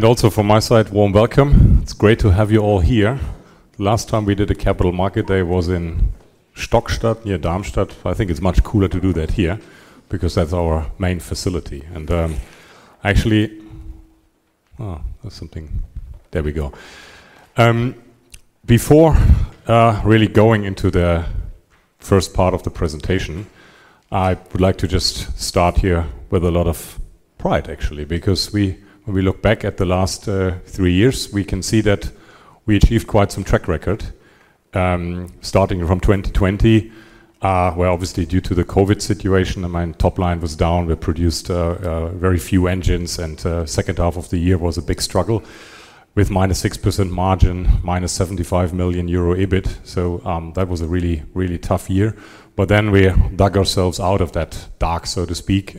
Also from my side, warm welcome. It's great to have you all here. Last time we did a Capital Market Day was in Stockstadt, near Darmstadt. I think it's much cooler to do that here because that's our main facility. Before really going into the first part of the presentation, I would like to just start here with a lot of pride, actually, because when we look back at the last three years, we can see that we achieved quite some track record. Starting from 2020, where obviously due to the COVID situation, the main top line was down. We produced very few engines, and second half of the year was a big struggle with -6% margin, -75 million euro EBIT. So, that was a really, really tough year. But then we dug ourselves out of that dark, so to speak,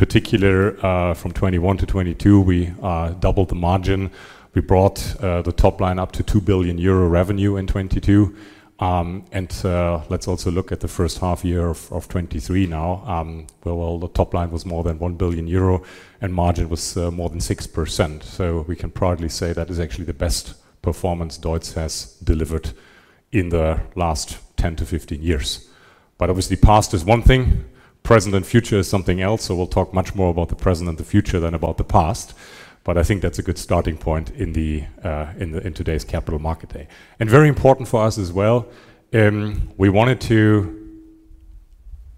and particular, from 2021 to 2022, we doubled the margin. We brought the top line up to 2 billion euro revenue in 2022. And let's also look at the first half year of 2023 now. Well, the top line was more than 1 billion euro, and margin was more than 6%. So we can proudly say that is actually the best performance DEUTZ has delivered in the last 10-15 years. But obviously, past is one thing, present and future is something else, so we'll talk much more about the present and the future than about the past. But I think that's a good starting point in today's Capital Market Day. And very important for us as well, we wanted to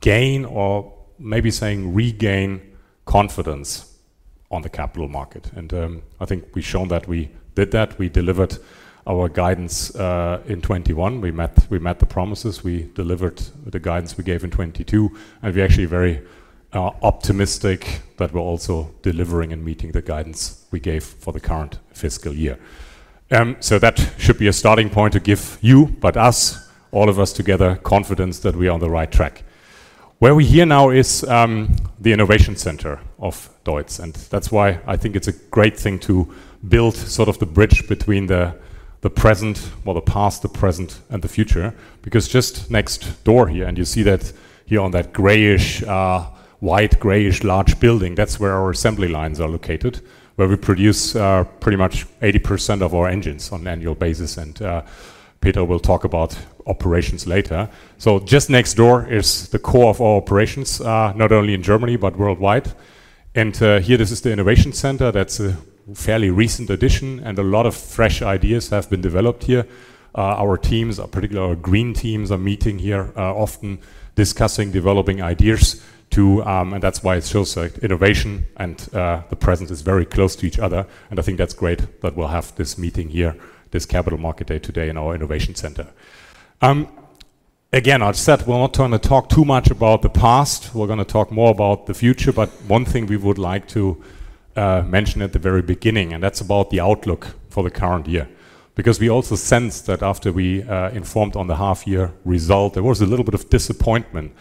gain or maybe saying regain confidence on the capital market, and I think we've shown that we did that. We delivered our guidance in 2021. We met, we met the promises, we delivered the guidance we gave in 2022, and we're actually very optimistic that we're also delivering and meeting the guidance we gave for the current fiscal year. So that should be a starting point to give you, but us, all of us together, confidence that we are on the right track. Where we're here now is the innovation center of DEUTZ, and that's why I think it's a great thing to build sort of the bridge between the present or the past, the present, and the future. Because just next door here, and you see that here on that grayish, white, grayish, large building, that's where our assembly lines are located, where we produce pretty much 80% of our engines on an annual basis, and Petra will talk about operations later. Just next door is the core of our operations, not only in Germany, but worldwide. Here, this is the innovation center. That's a fairly recent addition, and a lot of fresh ideas have been developed here. Our teams, particularly our green teams, are meeting here often discussing, developing ideas to... And that's why it shows like innovation and, the present is very close to each other, and I think that's great that we'll have this meeting here, this Capital Market Day today in our innovation center. Again, I've said we're not going to talk too much about the past. We're gonna talk more about the future, but one thing we would like to mention at the very beginning, and that's about the outlook for the current year. Because we also sensed that after we informed on the half-year result, there was a little bit of disappointment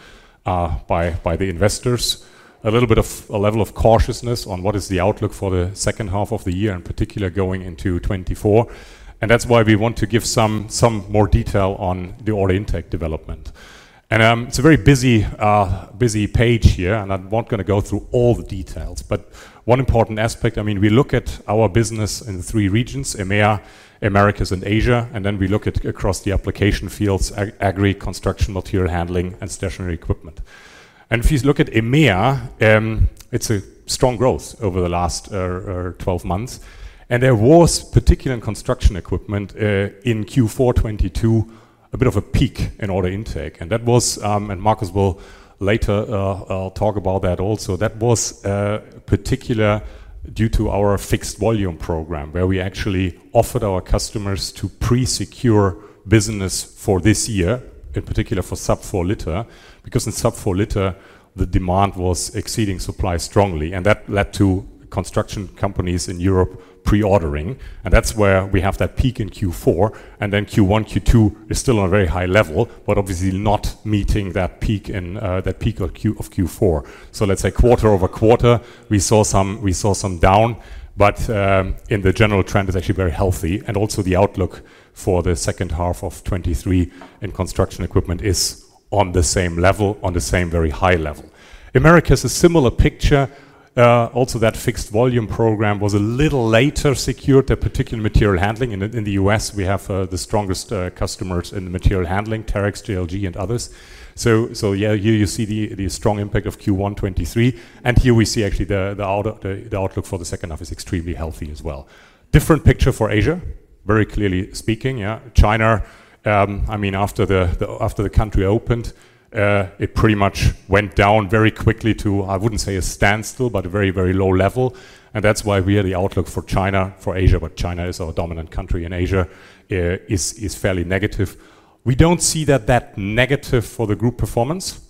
by, by the investors, a little bit of a level of cautiousness on what is the outlook for the second half of the year, in particular, going into 2024. And that's why we want to give some, some more detail on the order intake development. It's a very busy page here, and I'm not gonna go through all the details, but one important aspect, I mean, we look at our business in three regions, EMEA, Americas, and Asia, and then we look at across the application fields, agri, construction, material handling, and stationary equipment. And if you look at EMEA, it's a strong growth over the last 12 months. And there was, particularly in construction equipment, in Q4 2022, a bit of a peak in order intake. And that was. And Markus will later talk about that also. That was particular due to our fixed volume program, where we actually offered our customers to pre-secure business for this year, in particular for sub-4 liter, because in sub-4 liter, the demand was exceeding supply strongly, and that led to construction companies in Europe pre-ordering, and that's where we have that peak in Q4, and then Q1, Q2 is still on a very high level, but obviously not meeting that peak in that peak of Q4. So let's say quarter-over-quarter, we saw some down, but in the general trend, it's actually very healthy. And also the outlook for the second half of 2023 in construction equipment is on the same level, on the same very high level. America is a similar picture. Also, that fixed volume program was a little later secured, a particular material handling. In the U.S., we have the strongest customers in the material handling, Terex, JLG, and others. So yeah, here you see the strong impact of Q1 2023, and here we see actually the outlook for the second half is extremely healthy as well. Different picture for Asia, very clearly speaking. Yeah, China, I mean, after the country opened, it pretty much went down very quickly to, I wouldn't say a standstill, but a very, very low level. And that's why we are the outlook for China, for Asia, but China is our dominant country in Asia, is fairly negative. We don't see that negative for the group performance,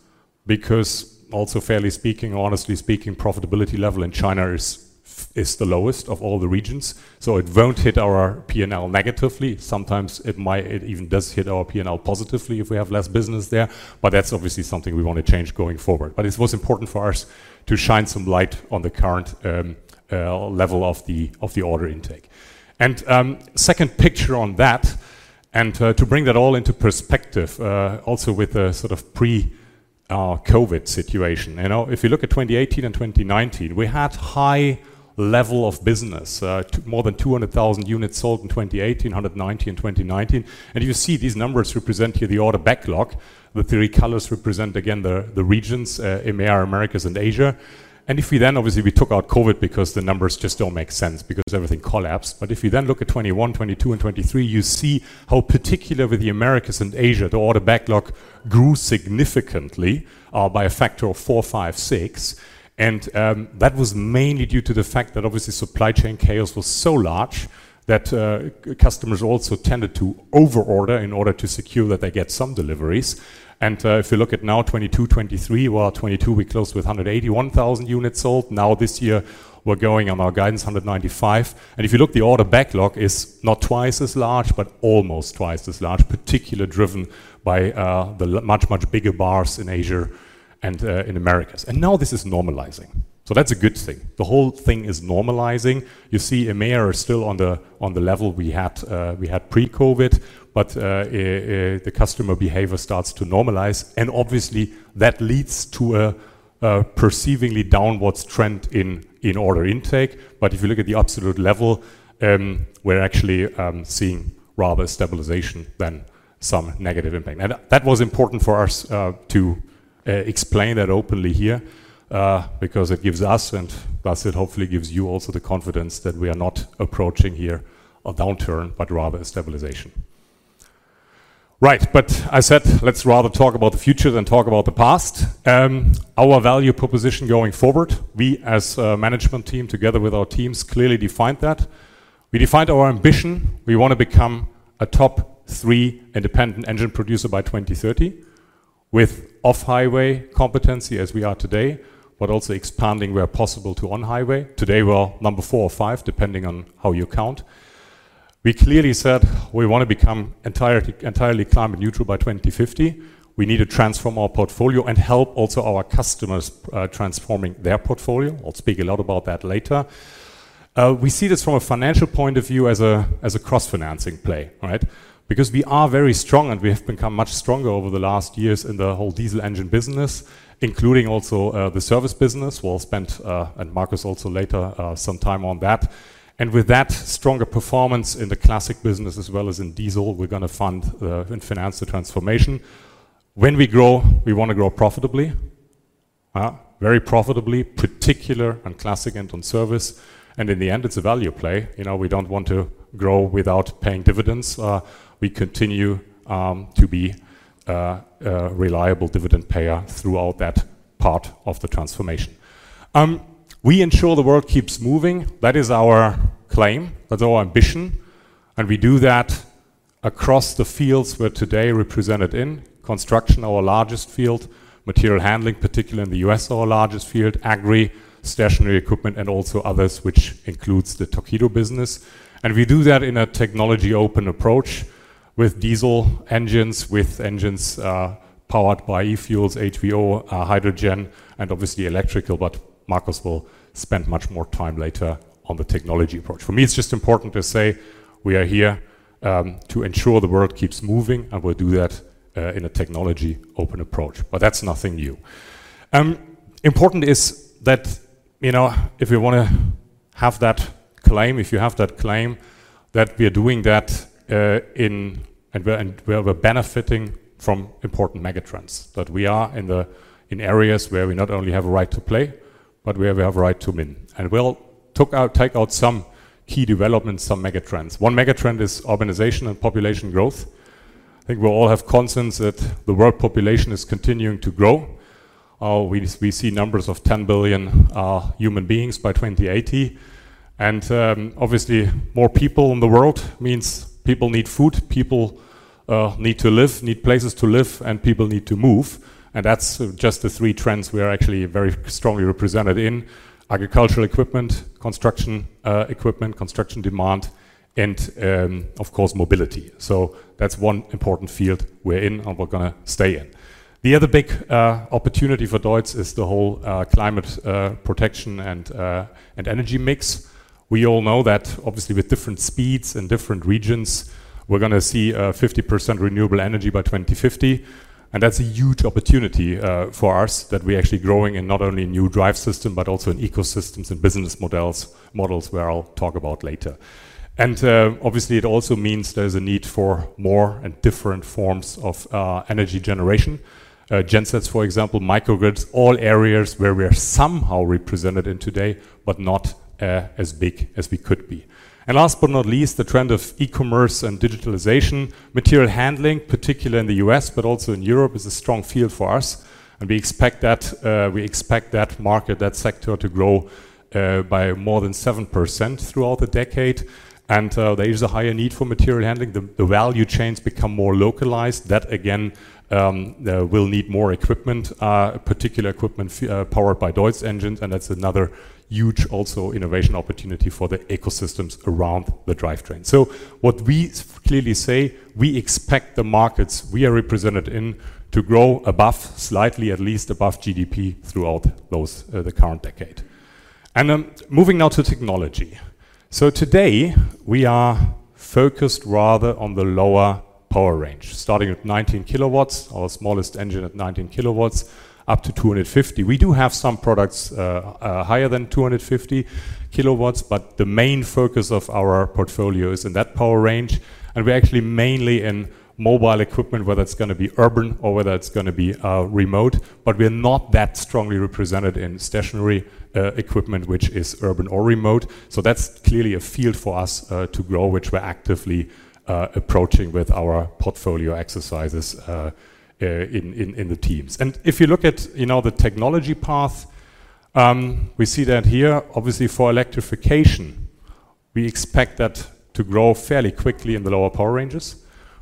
because also fairly speaking or honestly speaking, profitability level in China is the lowest of all the regions, so it won't hit our P&L negatively. Sometimes it might, it even does hit our P&L positively if we have less business there, but that's obviously something we want to change going forward. But it was important for us to shine some light on the current level of the order intake. Second picture on that. To bring that all into perspective, also with a sort of pre-COVID situation. You know, if you look at 2018 and 2019, we had high level of business to more than 200,000 units sold in 2018, 190,000 in 2019. You see these numbers represent here the order backlog. The three colors represent, again, the regions, EMEA, Americas, and Asia. And if we then obviously, we took out COVID because the numbers just don't make sense because everything collapsed. But if you then look at 2021, 2022, and 2023, you see how, particularly with the Americas and Asia, the order backlog grew significantly, by a factor of four, five, six. And that was mainly due to the fact that obviously, supply chain chaos was so large that customers also tended to over-order in order to secure that they get some deliveries. And if you look at now, 2022, 2023, well, 2022, we closed with 181,000 units sold. Now, this year, we're going on our guidance, 195. If you look, the order backlog is not twice as large, but almost twice as large, particularly driven by the much, much bigger bars in Asia and in Americas. Now this is normalizing, so that's a good thing. The whole thing is normalizing. You see EMEA are still on the level we had pre-COVID, but the customer behavior starts to normalize, and obviously that leads to a perceptibly downward trend in order intake. But if you look at the absolute level, we're actually seeing rather stabilization than some negative impact. That was important for us to explain that openly here, because it gives us, and thus it hopefully gives you also the confidence that we are not approaching here a downturn, but rather a stabilization. Right, but I said, let's rather talk about the future than talk about the past. Our value proposition going forward, we, as a management team, together with our teams, clearly defined that. We defined our ambition. We want to become a top three independent engine producer by 2030, with off-highway competency, as we are today, but also expanding where possible to on-highway. Today, we're number four or five, depending on how you count. We clearly said we wanna become entirely, entirely climate neutral by 2050. We need to transform our portfolio and help also our customers transforming their portfolio. I'll speak a lot about that later. We see this from a financial point of view as a, as a cross-financing play, right? Because we are very strong, and we have become much stronger over the last years in the whole diesel engine business, including also, the Service business. We'll spend, and Markus also later, some time on that. And with that stronger performance in the Classic business as well as in diesel, we're gonna fund, and finance the transformation. When we grow, we wanna grow profitably, very profitably, particularly on Classic and on Service. And in the end, it's a value play. You know, we don't want to grow without paying dividends. We continue to be a reliable dividend payer throughout that part of the transformation. We ensure the world keeps moving. That is our claim, that's our ambition, and we do that across the fields we're today represented in. Construction, our largest field. Material handling, particularly in the U.S., our largest field. Agri, stationary equipment, and also others, which includes the Torqeedo business. And we do that in a technology-open approach with diesel engines, with engines powered by e-fuels, HVO, hydrogen, and obviously electrical, but Markus will spend much more time later on the technology approach. For me, it's just important to say we are here to ensure the world keeps moving, and we'll do that in a technology-open approach, but that's nothing new. Important is that, you know, if you wanna have that claim, if you have that claim, that we are doing that, and we're benefiting from important megatrends, that we are in the areas where we not only have a right to play, but where we have a right to win. And we'll take out some key developments, some megatrends. One megatrend is urbanization and population growth. I think we all have consensus that the world population is continuing to grow. We see numbers of 10 billion human beings by 2080. And obviously, more people in the world means people need food, people need to live, need places to live, and people need to move, and that's just the three trends we are actually very strongly represented in: agricultural equipment, construction equipment, construction demand, and of course, mobility. So that's one important field we're in, and we're gonna stay in. The other big opportunity for DEUTZ is the whole climate protection and energy mix. We all know that obviously, with different speeds and different regions, we're gonna see 50% renewable energy by 2050, and that's a huge opportunity for us, that we're actually growing in not only new drive system, but also in ecosystems and business models, models where I'll talk about later. Obviously, it also means there's a need for more and different forms of energy generation. Gensets, for example, microgrids, all areas where we are somehow represented in today, but not as big as we could be. Last but not least, the trend of e-commerce and digitalization, material handling, particularly in the U.S., but also in Europe, is a strong field for us, and we expect that we expect that market, that sector, to grow by more than 7% throughout the decade. There is a higher need for material handling. The value chains become more localized. That, again, will need more equipment, particular equipment powered by DEUTZ engines, and that's another huge also innovation opportunity for the ecosystems around the drivetrain. So what we clearly say, we expect the markets we are represented in to grow above, slightly at least above GDP, throughout the current decade. Moving now to technology... So today, we are focused rather on the lower power range, starting at 19 kW, our smallest engine at 19 kW, up to 250. We do have some products higher than 250 kW, but the main focus of our portfolio is in that power range, and we're actually mainly in mobile equipment, whether it's gonna be urban or whether it's gonna be remote, but we are not that strongly represented in stationary equipment, which is urban or remote. So that's clearly a field for us to grow, which we're actively approaching with our portfolio exercises in the teams. And if you look at, you know, the technology path, we see that here, obviously, for electrification, we expect that to grow fairly quickly in the lower power ranges.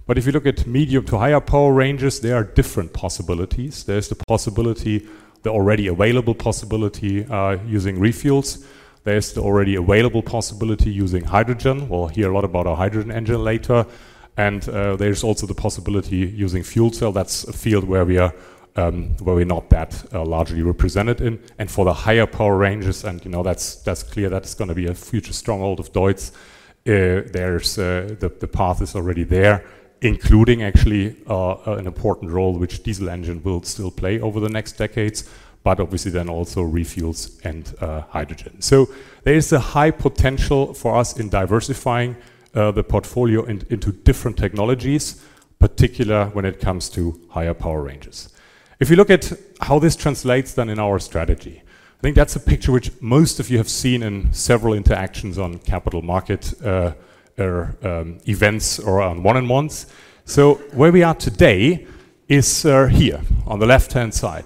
But if you look at medium to higher power ranges, there are different possibilities. There's the possibility, the already available possibility using re-fuels. There's the already available possibility using hydrogen. We'll hear a lot about our hydrogen engine later, and there's also the possibility using fuel cell. That's a field where we are, where we're not that largely represented in. And for the higher power ranges and, you know, that's clear, that is gonna be a future stronghold of DEUTZ. There's the path is already there, including actually an important role which diesel engine will still play over the next decades, but obviously then also re-fuels and hydrogen. So there is a high potential for us in diversifying the portfolio in into different technologies, particular when it comes to higher power ranges. If you look at how this translates then in our strategy, I think that's a picture which most of you have seen in several interactions on capital market, or events or on one-on-ones. Where we are today is here on the left-hand side.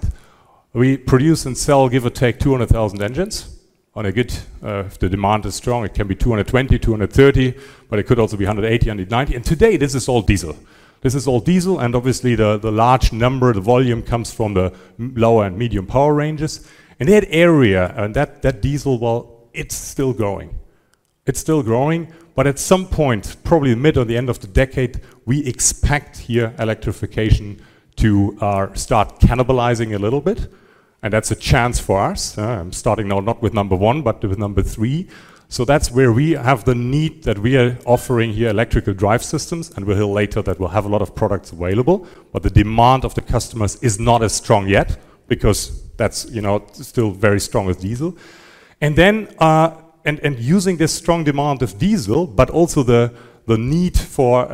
We produce and sell, give or take, 200,000 engines. On a good, if the demand is strong, it can be 220, 230, but it could also be 180, 190. Today, this is all diesel. This is all diesel, and obviously, the large number, the volume comes from the lower and medium power ranges. In that area and that diesel, well, it's still going. It's still growing, but at some point, probably mid or the end of the decade, we expect here electrification to start cannibalizing a little bit, and that's a chance for us, starting now, not with number one, but with number three. So that's where we have the need that we are offering here electrical drive systems, and we'll hear later that we'll have a lot of products available, but the demand of the customers is not as strong yet because that's, you know, still very strong with diesel. And then, using this strong demand of diesel, but also the need for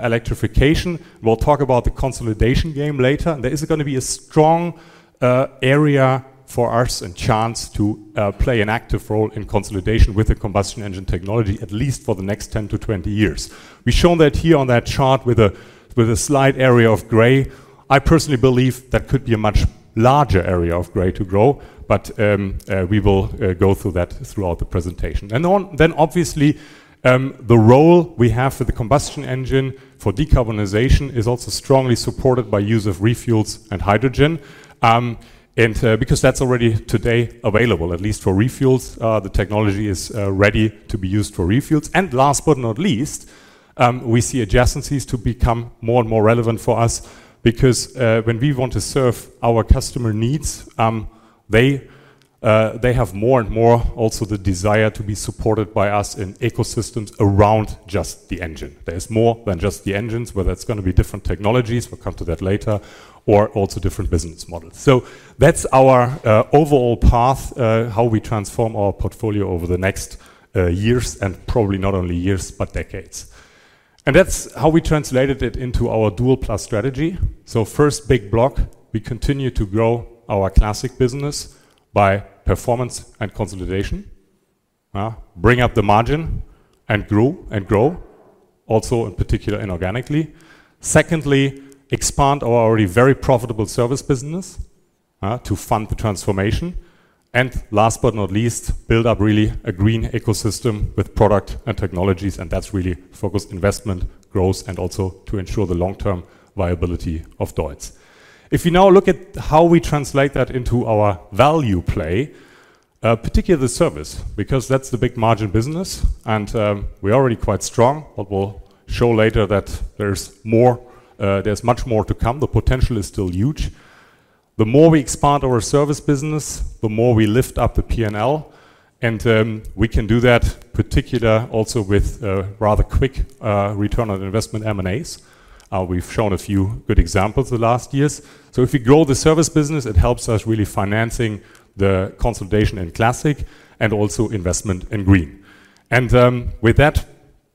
electrification, we'll talk about the consolidation game later. There is gonna be a strong area for us and chance to play an active role in consolidation with the combustion engine technology, at least for the next 10-20 years. We've shown that here on that chart with a slight area of gray. I personally believe that could be a much larger area of gray to grow, but we will go through that throughout the presentation. Then, obviously, the role we have for the combustion engine for decarbonization is also strongly supported by use of refuels and hydrogen, and because that's already today available, at least for refuels, the technology is ready to be used for refuels. And last but not least, we see adjacencies to become more and more relevant for us because when we want to serve our customer needs, they have more and more also the desire to be supported by us in ecosystems around just the engine. There's more than just the engines, whether it's gonna be different technologies, we'll come to that later, or also different business models. So that's our overall path, how we transform our portfolio over the next years, and probably not only years, but decades. And that's how we translated it into our Dual+ strategy. So first big block, we continue to grow our Classic business by performance and consolidation. Bring up the margin and grow, and grow, also in particular inorganically. Secondly, expand our already very profitable Service business to fund the transformation. And last but not least, build up really a green ecosystem with product and technologies, and that's really focused investment growth and also to ensure the long-term viability of DEUTZ. If you now look at how we translate that into our value play, particularly the Service, because that's the big margin business, and we're already quite strong, but we'll show later that there's more, there's much more to come. The potential is still huge. The more we expand our Service business, the more we lift up the P&L, and we can do that particular also with a rather quick return on investment M&As. We've shown a few good examples the last years. So if you grow the Service business, it helps us really financing the consolidation in Classic and also investment in green. And with that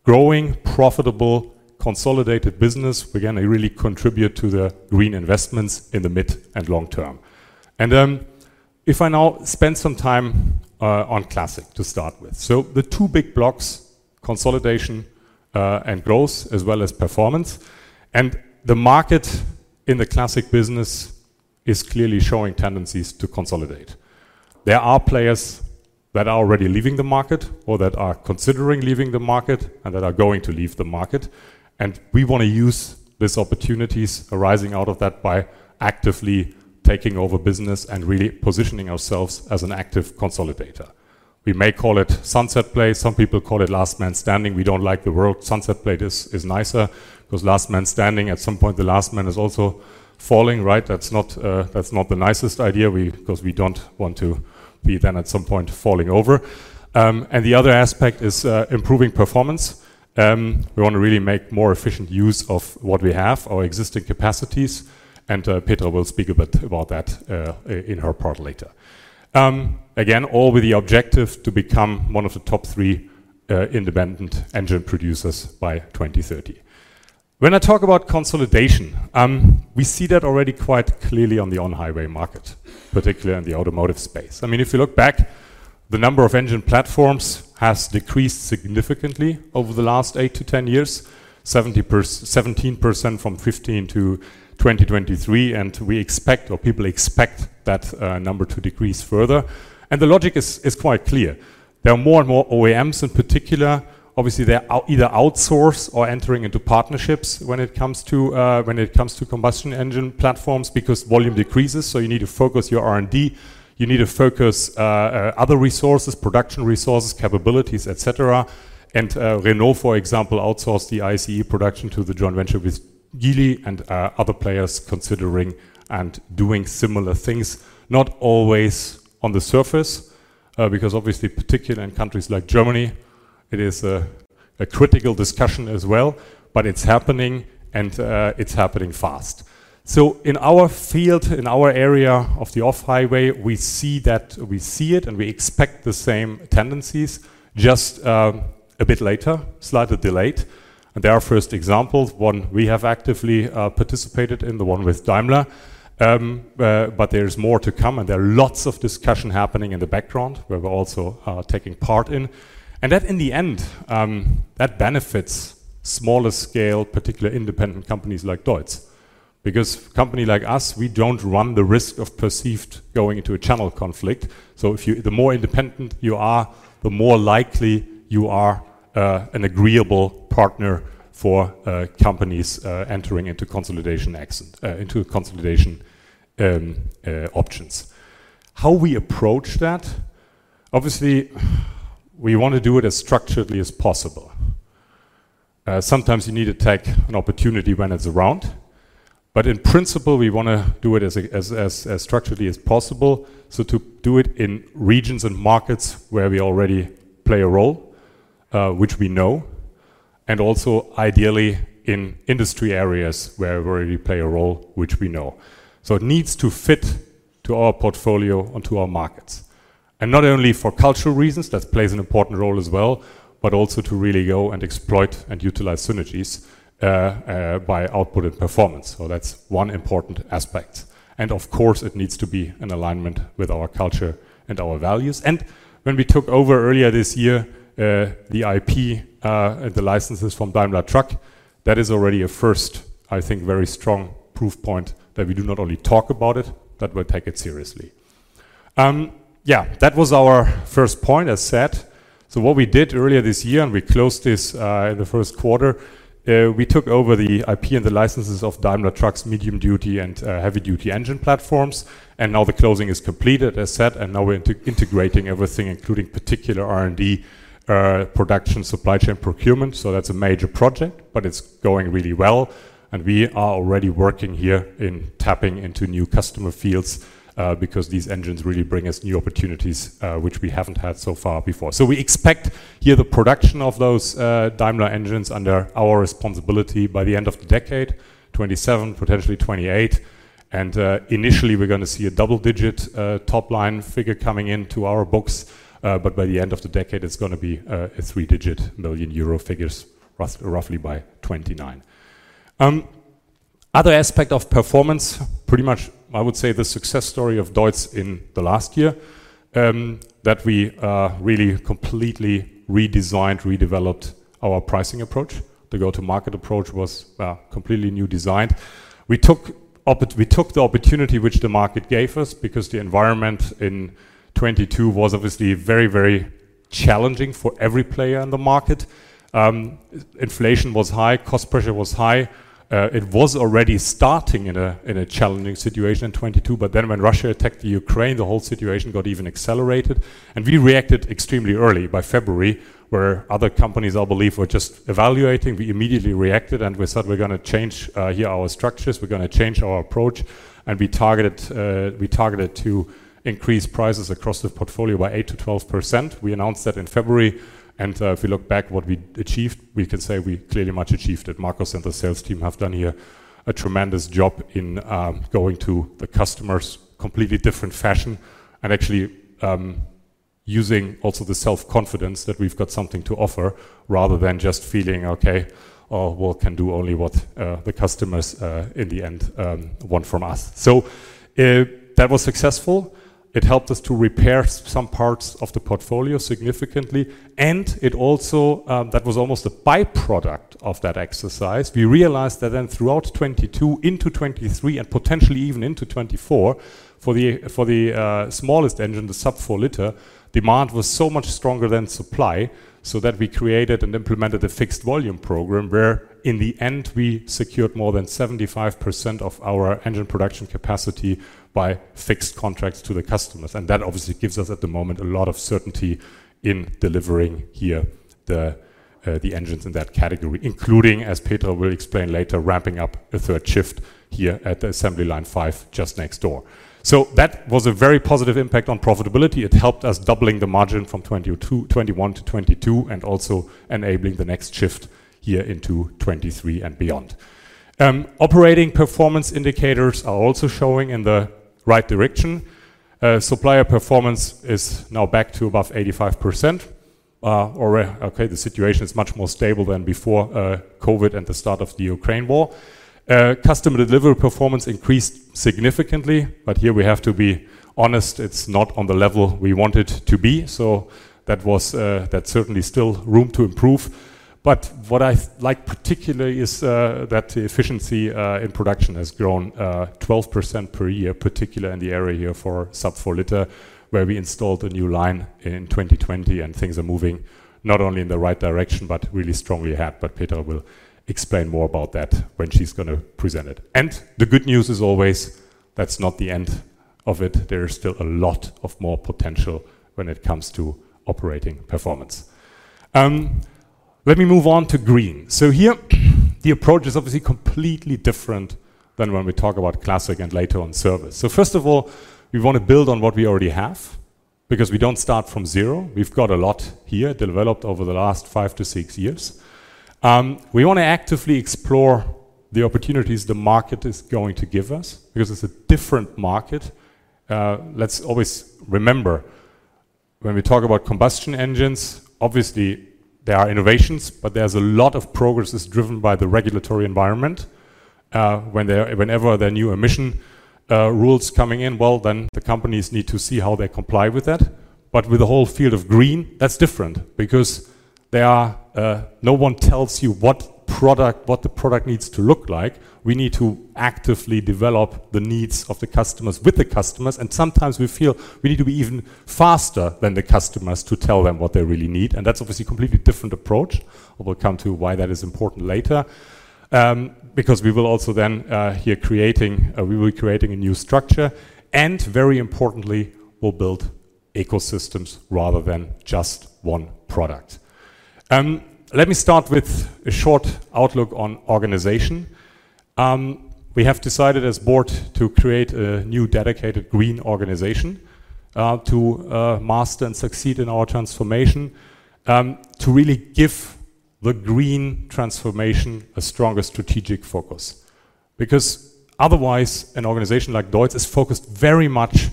growing, profitable, consolidated business, we're gonna really contribute to the green investments in the mid and long term. And if I now spend some time on Classic to start with. So the two big blocks, consolidation and growth, as well as performance, and the market in the Classic business is clearly showing tendencies to consolidate. There are players that are already leaving the market or that are considering leaving the market and that are going to leave the market, and we wanna use these opportunities arising out of that by actively taking over business and really positioning ourselves as an active consolidator. We may call it sunset play, some people call it last man standing. We don't like the word. Sunset play is nicer, 'cause last man standing, at some point, the last man is also falling, right? That's not the nicest idea. 'Cause we don't want to be then at some point falling over. And the other aspect is improving performance. We want to really make more efficient use of what we have, our existing capacities, and Petra will speak a bit about that in her part later. Again, all with the objective to become one of the top three independent engine producers by 2030. When I talk about consolidation, we see that already quite clearly on the On-Highway market, particularly in the automotive space. I mean, if you look back, the number of engine platforms has decreased significantly over the last 8-10 years, 17% from 15% to 2023, and we expect, or people expect, that number to decrease further. The logic is quite clear. There are more and more OEMs in particular. Obviously, they either outsource or entering into partnerships when it comes to, when it comes to combustion engine platforms, because volume decreases, so you need to focus your R&D, you need to focus other resources, production resources, capabilities, et cetera. And, Renault, for example, outsourced the ICE production to the joint venture with Geely and, other players considering and doing similar things. Not always on the surface, because obviously, particularly in countries like Germany, it is a critical discussion as well, but it's happening and, it's happening fast. So in our field, in our area of the off-highway, we see that, we see it, and we expect the same tendencies, just, a bit later, slightly delayed. And there are first examples, one we have actively, participated in, the one with Daimler. But there's more to come, and there are lots of discussion happening in the background. We're also, taking part in. That in the end, that benefits smaller scale, particularly independent companies like DEUTZ, because company like us, we don't run the risk of perceived going into a channel conflict. So if you the more independent you are, the more likely you are, an agreeable partner for, companies, entering into consolidation exit, into consolidation, options. How we approach that? Obviously, we want to do it as structurally as possible. Sometimes you need to take an opportunity when it's around, but in principle, we wanna do it as structurally as possible. So to do it in regions and markets where we already play a role, which we know, and also ideally in industry areas where we already play a role, which we know. So it needs to fit to our portfolio and to our markets, and not only for cultural reasons, that plays an important role as well, but also to really go and exploit and utilize synergies by output and performance. So that's one important aspect. And of course, it needs to be in alignment with our culture and our values. And when we took over earlier this year, the IP, the licenses from Daimler Truck, that is already a first, I think, very strong proof point that we do not only talk about it, but we take it seriously. Yeah, that was our first point, as said. So what we did earlier this year, and we closed this in the first quarter, we took over the IP and the licenses of Daimler Truck's medium-duty and heavy-duty engine platforms, and now the closing is completed, as said, and now we're integrating everything, including, in particular, R&D, production, supply chain, procurement. So that's a major project, but it's going really well, and we are already working here in tapping into new customer fields because these engines really bring us new opportunities which we haven't had so far before. So we expect here the production of those Daimler engines under our responsibility by the end of the decade, 2027, potentially 2028. Initially, we're gonna see a double-digit top-line figure coming into our books, but by the end of the decade, it's gonna be a three-digit million euro figures roughly by 2029. Other aspect of performance, pretty much, I would say, the success story of DEUTZ in the last year, that we really completely redesigned, redeveloped our pricing approach. The go-to-market approach was completely new design. We took the opportunity which the market gave us because the environment in 2022 was obviously very, very challenging for every player in the market. Inflation was high, cost pressure was high. It was already starting in a challenging situation in 2022, but then when Russia attacked Ukraine, the whole situation got even accelerated, and we reacted extremely early by February, where other companies, I believe, were just evaluating. We immediately reacted, and we said, "We're gonna change our structures. We're gonna change our approach." And we targeted to increase prices across the portfolio by 8%-12%. We announced that in February, and if you look back what we achieved, we can say we clearly much achieved it. Markus and the sales team have done here a tremendous job in going to the customers completely different fashion and actually using also the self-confidence that we've got something to offer, rather than just feeling, "Okay, we can do only what the customers in the end want from us." So that was successful. It helped us to repair some parts of the portfolio significantly, and it also, that was almost a byproduct of that exercise. We realized that then throughout 2022 into 2023 and potentially even into 2024, for the smallest engine, the sub-4-liter, demand was so much stronger than supply, so that we created and implemented a fixed volume program, where in the end, we secured more than 75% of our engine production capacity by fixed contracts to the customers. That obviously gives us, at the moment, a lot of certainty in delivering here the engines in that category, including, as Petra will explain later, ramping up a third shift here at the assembly line 5, just next door. So that was a very positive impact on profitability. It helped us doubling the margin from 2020 to 2021 to 2022 and also enabling the next shift here into 2023 and beyond. Operating performance indicators are also showing in the right direction. Supplier performance is now back to above 85%, or okay, the situation is much more stable than before COVID and the start of the Ukraine war. Customer delivery performance increased significantly, but here we have to be honest, it's not on the level we want it to be, so that's certainly still room to improve. But what I like particularly is that the efficiency in production has grown 12% per year, particularly in the area here for sub-4-liter, where we installed a new line in 2020, and things are moving not only in the right direction, but really strongly ahead. Petra will explain more about that when she's gonna present it. The good news is always, that's not the end of it. There is still a lot of more potential when it comes to operating performance. Let me move on to green. Here, the approach is obviously completely different than when we talk about Classic and later on, Service. First of all, we want to build on what we already have, because we don't start from zero. We've got a lot here developed over the last 5-6 years. We wanna actively explore the opportunities the market is going to give us, because it's a different market. Let's always remember, when we talk about combustion engines, obviously, there are innovations, but there's a lot of progress that's driven by the regulatory environment. Whenever there are new emission rules coming in, well, then the companies need to see how they comply with that. But with the whole field of green, that's different because there are no one tells you what product, what the product needs to look like. We need to actively develop the needs of the customers with the customers, and sometimes we feel we need to be even faster than the customers to tell them what they really need, and that's obviously a completely different approach. We'll come to why that is important later, because we will also then, we will be creating a new structure, and very importantly, we'll build ecosystems rather than just one product. Let me start with a short outlook on organization. We have decided as board to create a new dedicated green organization to master and succeed in our transformation, to really give the green transformation a stronger strategic focus. Because otherwise, an organization like DEUTZ is focused very much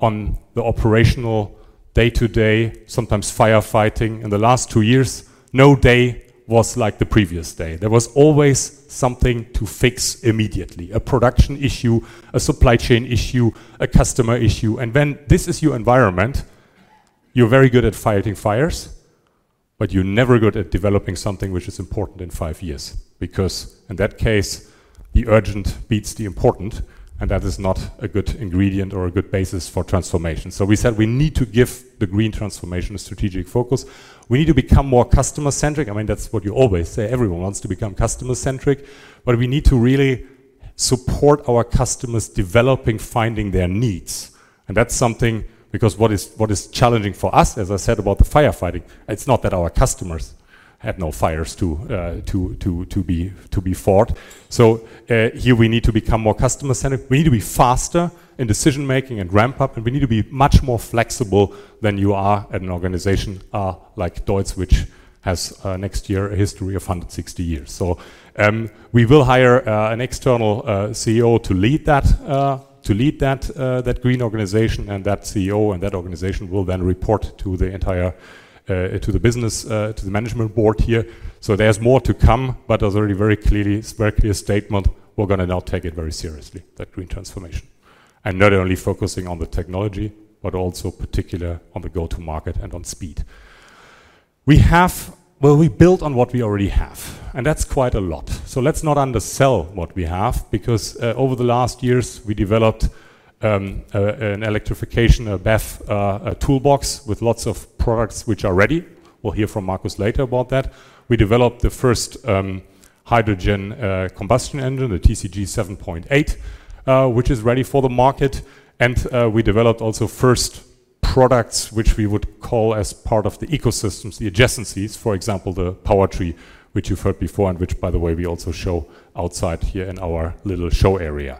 on the operational day-to-day, sometimes firefighting. In the last two years, no day was like the previous day. There was always something to fix immediately, a production issue, a supply chain issue, a customer issue. And when this is your environment, you're very good at fighting fires, but you're never good at developing something which is important in five years, because in that case, the urgent beats the important, and that is not a good ingredient or a good basis for transformation. So we said we need to give the green transformation a strategic focus. We need to become more customer-centric. I mean, that's what you always say. Everyone wants to become customer-centric, but we need to really support our customers developing, finding their needs. And that's something, because what is challenging for us, as I said, about the firefighting, it's not that our customers had no fires to be fought. So, here we need to become more customer-centric. We need to be faster in decision-making and ramp up, and we need to be much more flexible than you are at an organization like DEUTZ, which has next year a history of 160 years. So we will hire an external CEO to lead that green organization, and that CEO and that organization will then report to the management board here. So there's more to come, but there's already very clearly very clear statement, we're gonna now take it very seriously, that green transformation, and not only focusing on the technology, but also particular on the go-to-market and on speed. We have. Well, we built on what we already have, and that's quite a lot. So let's not undersell what we have, because over the last years, we developed an electrification, a BEV, a toolbox with lots of products which are ready. We'll hear from Markus later about that. We developed the first hydrogen combustion engine, the TCG 7.8, which is ready for the market. And we developed also first products, which we would call as part of the ecosystems, the adjacencies, for example, the PowerTree, which you've heard before, and which, by the way, we also show outside here in our little show area.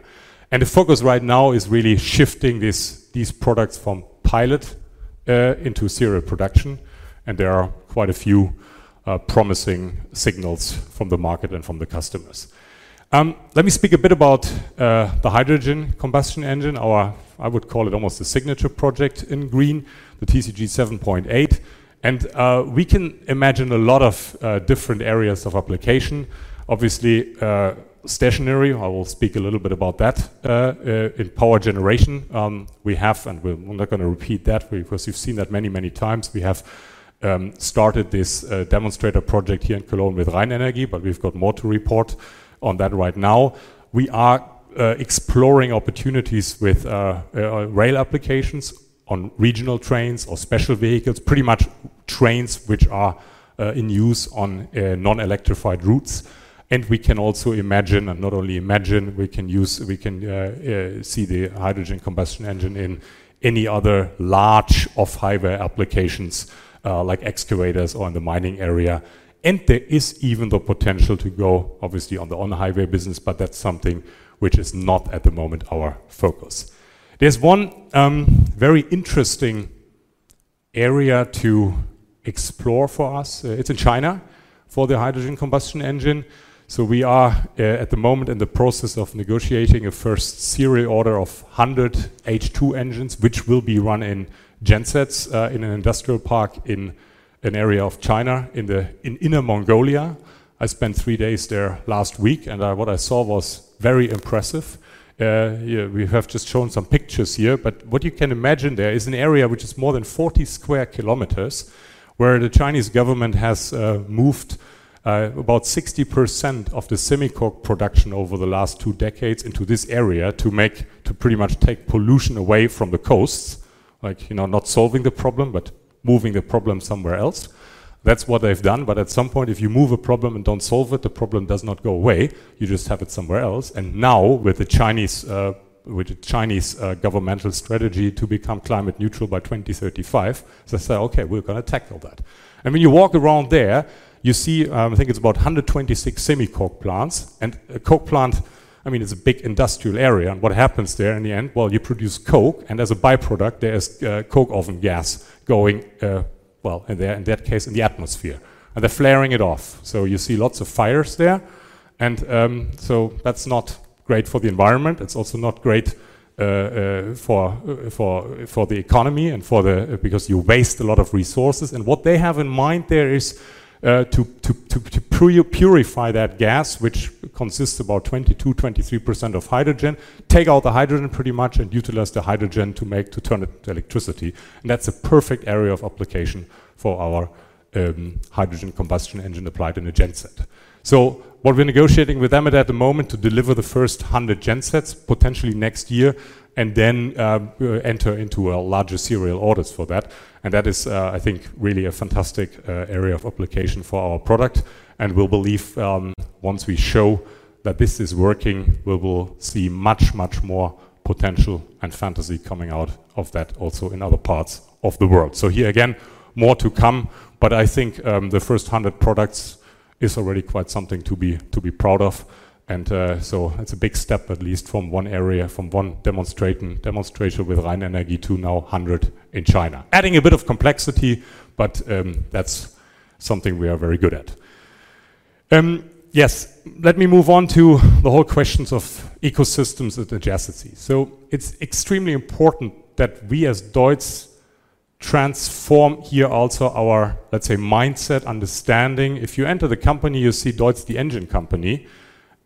And the focus right now is really shifting this, these products from pilot into serial production, and there are quite a few promising signals from the market and from the customers. Let me speak a bit about the hydrogen combustion engine, or I would call it almost a signature project in green, the TCG 7.8. And we can imagine a lot of different areas of application. Obviously, stationary, I will speak a little bit about that in power generation. We have, and we're not gonna repeat that because you've seen that many, many times. We have started this demonstrator project here in Cologne with RheinEnergie, but we've got more to report on that right now. We are exploring opportunities with rail applications on regional trains or special vehicles, pretty much trains which are in use on non-electrified routes. We can also imagine, and not only imagine, we can use—we can see the hydrogen combustion engine in any other large off-highway applications, like excavators or in the mining area. There is even the potential to go, obviously, on the on-highway business, but that's something which is not at the moment our focus. There's one very interesting area to explore for us, it's in China, for the hydrogen combustion engine. So we are, at the moment, in the process of negotiating a first serial order of 100 H2 engines, which will be run in gensets, in an industrial park in an area of China, in Inner Mongolia. I spent three days there last week, and what I saw was very impressive. Yeah, we have just shown some pictures here, but what you can imagine there is an area which is more than 40 sq km, where the Chinese government has moved about 60% of the semicoke production over the last two decades into this area to pretty much take pollution away from the coasts. Like, you know, not solving the problem, but moving the problem somewhere else. That's what they've done. But at some point, if you move a problem and don't solve it, the problem does not go away. You just have it somewhere else. And now, with the Chinese governmental strategy to become climate neutral by 2035, they say, "Okay, we're gonna tackle that." And when you walk around there, you see, I think it's about 126 semicoke plants. A coke plant, I mean, it's a big industrial area, and what happens there in the end? Well, you produce coke, and as a by-product, there's coke oven gas going, well, in that case, in the atmosphere. And they're flaring it off. So you see lots of fires there, and so that's not great for the environment. It's also not great for the economy and for the... because you waste a lot of resources. And what they have in mind there is to purify that gas, which consists about 22%-23% of hydrogen, take out the hydrogen pretty much, and utilize the hydrogen to make, to turn it to electricity. And that's a perfect area of application for our hydrogen combustion engine applied in a genset. So what we're negotiating with them at the moment to deliver the first 100 gensets, potentially next year, and then enter into a larger serial orders for that. And that is, I think, really a fantastic area of application for our product. And we'll believe, once we show that this is working, we will see much, much more potential and fantasy coming out of that also in other parts of the world. So here again, more to come, but I think, the first 100 products is already quite something to be, to be proud of. And, so it's a big step, at least from one area, from one demonstration with RheinEnergie to now 100 in China. Adding a bit of complexity, but, that's something we are very good at. Yes, let me move on to the whole questions of ecosystems and digitality. So it's extremely important that we, as DEUTZ, transform here also our, let's say, mindset, understanding. If you enter the company, you see DEUTZ, the engine company,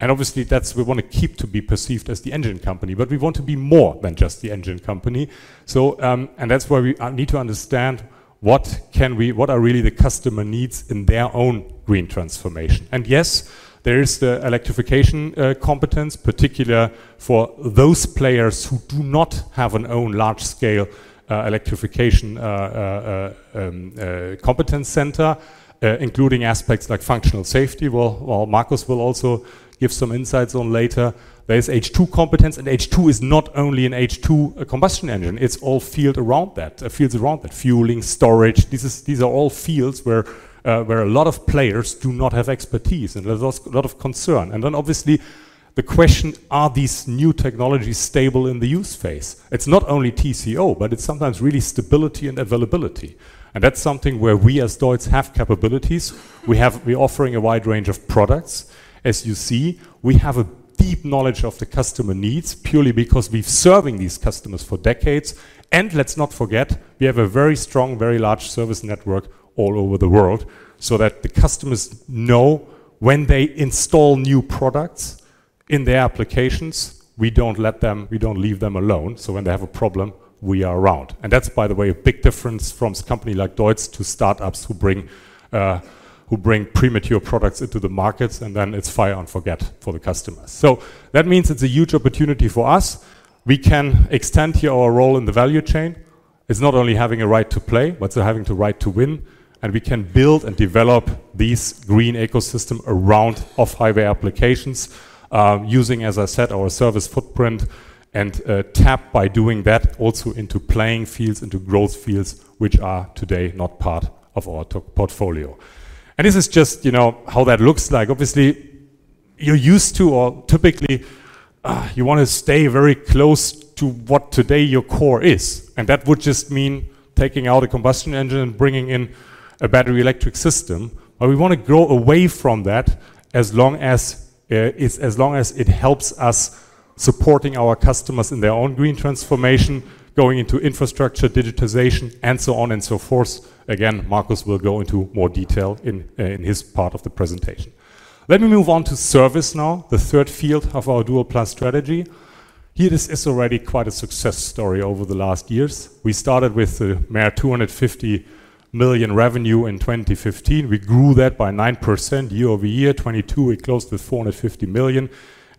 and obviously, that's we wanna keep to be perceived as the engine company, but we want to be more than just the engine company. So, and that's where we need to understand what are really the customer needs in their own green transformation. And yes, there is the electrification competence, particular for those players who do not have an own large-scale electrification competence center, including aspects like functional safety. Well, Markus will also give some insights on later. There is H2 competence, and H2 is not only an H2 combustion engine, it's all fields around that, fueling, storage. These are all fields where a lot of players do not have expertise, and there's also a lot of concern. And then, obviously, the question, are these new technologies stable in the use phase? It's not only TCO, but it's sometimes really stability and availability, and that's something where we as DEUTZ have capabilities. We have. We're offering a wide range of products. As you see, we have a deep knowledge of the customer needs, purely because we've serving these customers for decades. Let's not forget, we have a very strong, very large service network all over the world, so that the customers know when they install new products in their applications, we don't let them- we don't leave them alone. So when they have a problem, we are around. And that's, by the way, a big difference from company like DEUTZ to startups who bring, who bring premature products into the markets, and then it's fire and forget for the customers. So that means it's a huge opportunity for us. We can extend here our role in the value chain. It's not only having a right to play, but it's having the right to win, and we can build and develop this green ecosystem around off-highway applications, using, as I said, our Service footprint, and tap by doing that also into playing fields, into growth fields, which are today not part of our portfolio. And this is just, you know, how that looks like. Obviously, you're used to or typically, you wanna stay very close to what today your core is, and that would just mean taking out a combustion engine and bringing in a battery electric system. But we wanna go away from that as long as it helps us supporting our customers in their own green transformation, going into infrastructure, digitization, and so on and so forth. Again, Markus will go into more detail in his part of the presentation. Let me move on to Service now, the third field of our Dual+ strategy. Here, this is already quite a success story over the last years. We started with mere 250 million revenue in 2015. We grew that by 9% year-over-year. 2022, we closed with 450 million,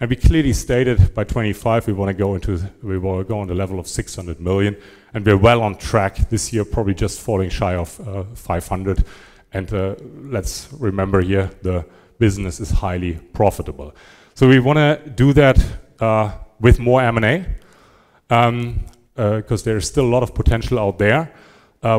and we clearly stated by 2025, we wanna go into- we wanna go on the level of 600 million, and we're well on track this year, probably just falling shy of 500. Let's remember here, the business is highly profitable. We wanna do that with more M&A, 'cause there is still a lot of potential out there.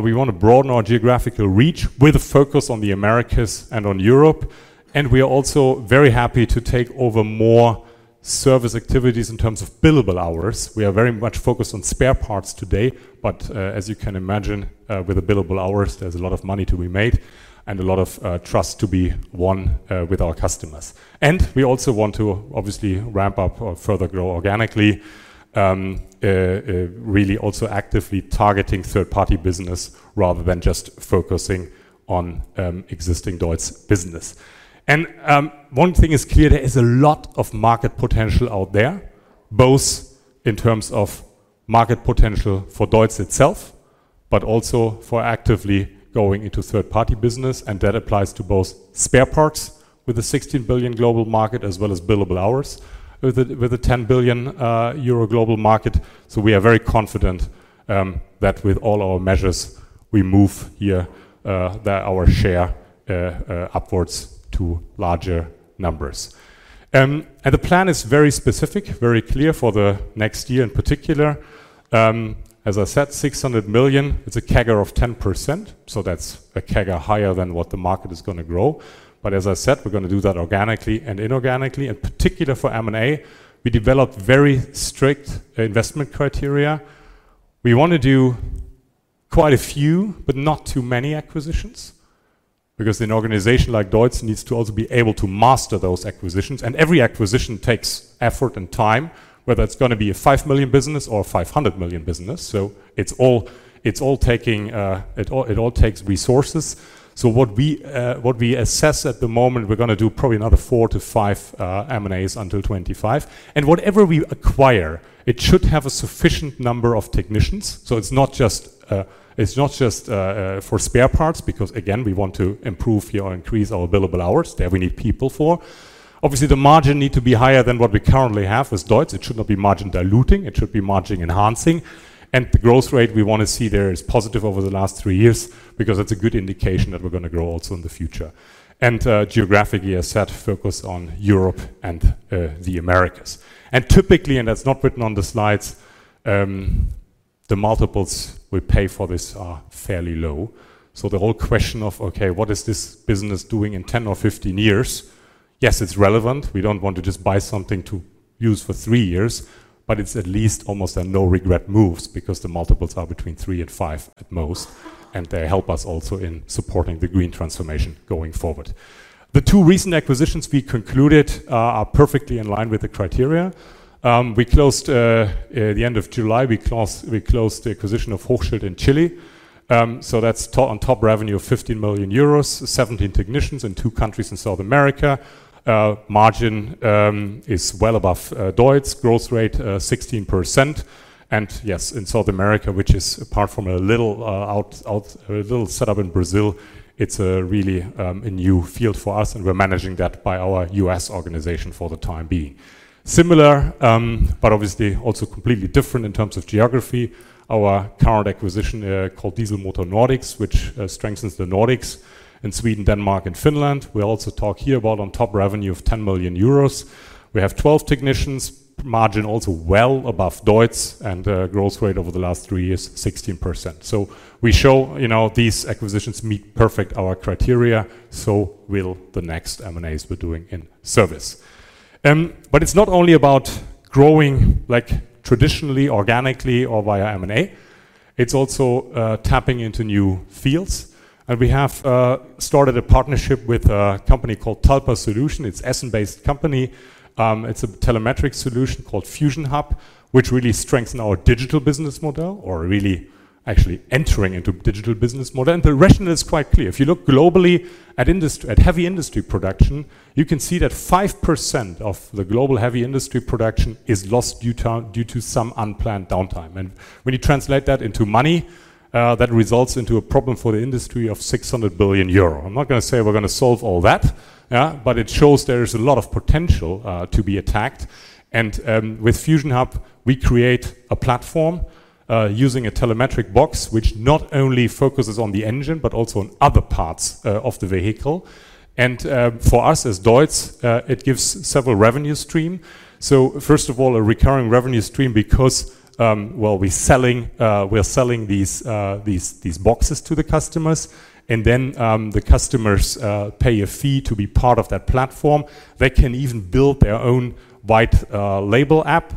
We wanna broaden our geographical reach with a focus on the Americas and on Europe, and we are also very happy to take over more Service activities in terms of billable hours. We are very much focused on spare parts today, but as you can imagine, with the billable hours, there's a lot of money to be made and a lot of trust to be won with our customers. We also want to obviously ramp up or further grow organically, really also actively targeting third-party business rather than just focusing on existing DEUTZ business. And, one thing is clear, there is a lot of market potential out there, both in terms of market potential for Deutz itself, but also for actively going into third-party business, and that applies to both spare parts with a 16 billion global market, as well as billable hours with a 10 billion euro global market. So we are very confident, that with all our measures, we move here, that our share upwards to larger numbers. And the plan is very specific, very clear for the next year in particular. As I said, 600 million, it's a CAGR of 10%, so that's a CAGR higher than what the market is going to grow. But as I said, we're going to do that organically and inorganically. In particular for M&A, we developed very strict investment criteria. We want to do quite a few, but not too many acquisitions, because an organization like DEUTZ needs to also be able to master those acquisitions, and every acquisition takes effort and time, whether it's going to be a 5 million business or a 500 million business. So it's all taking, it all takes resources. So what we assess at the moment, we're gonna do probably another 4-5 M&As until 2025. And whatever we acquire, it should have a sufficient number of technicians. So it's not just, it's not just for spare parts, because again, we want to improve or increase our billable hours. That we need people for. Obviously, the margin need to be higher than what we currently have as DEUTZ. It should not be margin diluting, it should be margin enhancing. The growth rate we want to see there is positive over the last three years because that's a good indication that we're going to grow also in the future. Geographically, as said, focus on Europe and the Americas. And typically, and that's not written on the slides, the multiples we pay for this are fairly low. So the whole question of, okay, what is this business doing in 10 or 15 years? Yes, it's relevant. We don't want to just buy something to use for three years, but it's at least almost a no-regret moves because the multiples are between three and five at most, and they help us also in supporting the green transformation going forward. The two recent acquisitions we concluded are perfectly in line with the criteria. We closed the acquisition of Hochschild in Chile at the end of July. So that's on top revenue of 15 million euros, 17 technicians in two countries in South America. Margin is well above DEUTZ. Growth rate 16%. And yes, in South America, which is apart from a little set up in Brazil, it's a really new field for us, and we're managing that by our U.S. organization for the time being. Similar, but obviously also completely different in terms of geography, our current acquisition called Diesel Motor Nordic, which strengthens the Nordics in Sweden, Denmark, and Finland. We also talk here about on top revenue of 10 million euros. We have 12 technicians. Margin also well above DEUTZ, and growth rate over the last three years, 16%. So we show, you know, these acquisitions meet perfect our criteria, so will the next M&As we're doing in Service. But it's not only about growing, like traditionally, organically, or via M&A, it's also tapping into new fields. And we have started a partnership with a company called talpasolutions. It's Essen-based company. It's a telemetric solution called FUSIONHub, which really strengthen our digital business model or really actually entering into digital business model. And the rationale is quite clear. If you look globally at heavy industry production, you can see that 5% of the global heavy industry production is lost due to some unplanned downtime. When you translate that into money, that results into a problem for the industry of 600 billion euro. I'm not going to say we're going to solve all that, but it shows there is a lot of potential to be attacked. With FUSIONHub, we create a platform using a telemetric box, which not only focuses on the engine, but also on other parts of the vehicle. For us as DEUTZ, it gives several revenue stream. So first of all, a recurring revenue stream because, well, we're selling these boxes to the customers, and then the customers pay a fee to be part of that platform. They can even build their own white label app,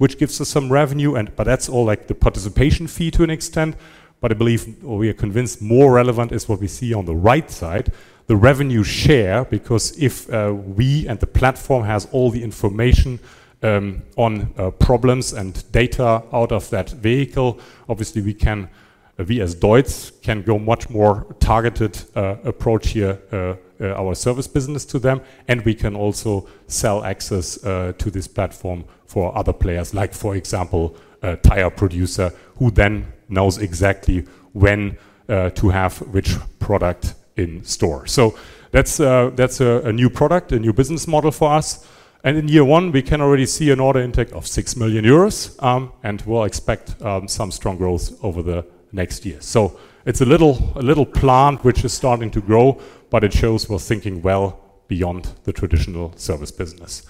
which gives us some revenue and- but that's all like the participation fee to an extent. But I believe, or we are convinced more relevant is what we see on the right side, the revenue share, because if we and the platform has all the information on problems and data out of that vehicle, obviously, we can- we as DEUTZ, can go much more targeted approach here our Service business to them, and we can also sell access to this platform for other players, like for example, a tire producer, who then knows exactly when to have which product in store. So that's a new product, a new business model for us. In year one, we can already see an order intake of 6 million euros, and we'll expect some strong growth over the next year. So it's a little plant which is starting to grow, but it shows we're thinking well beyond the traditional Service business.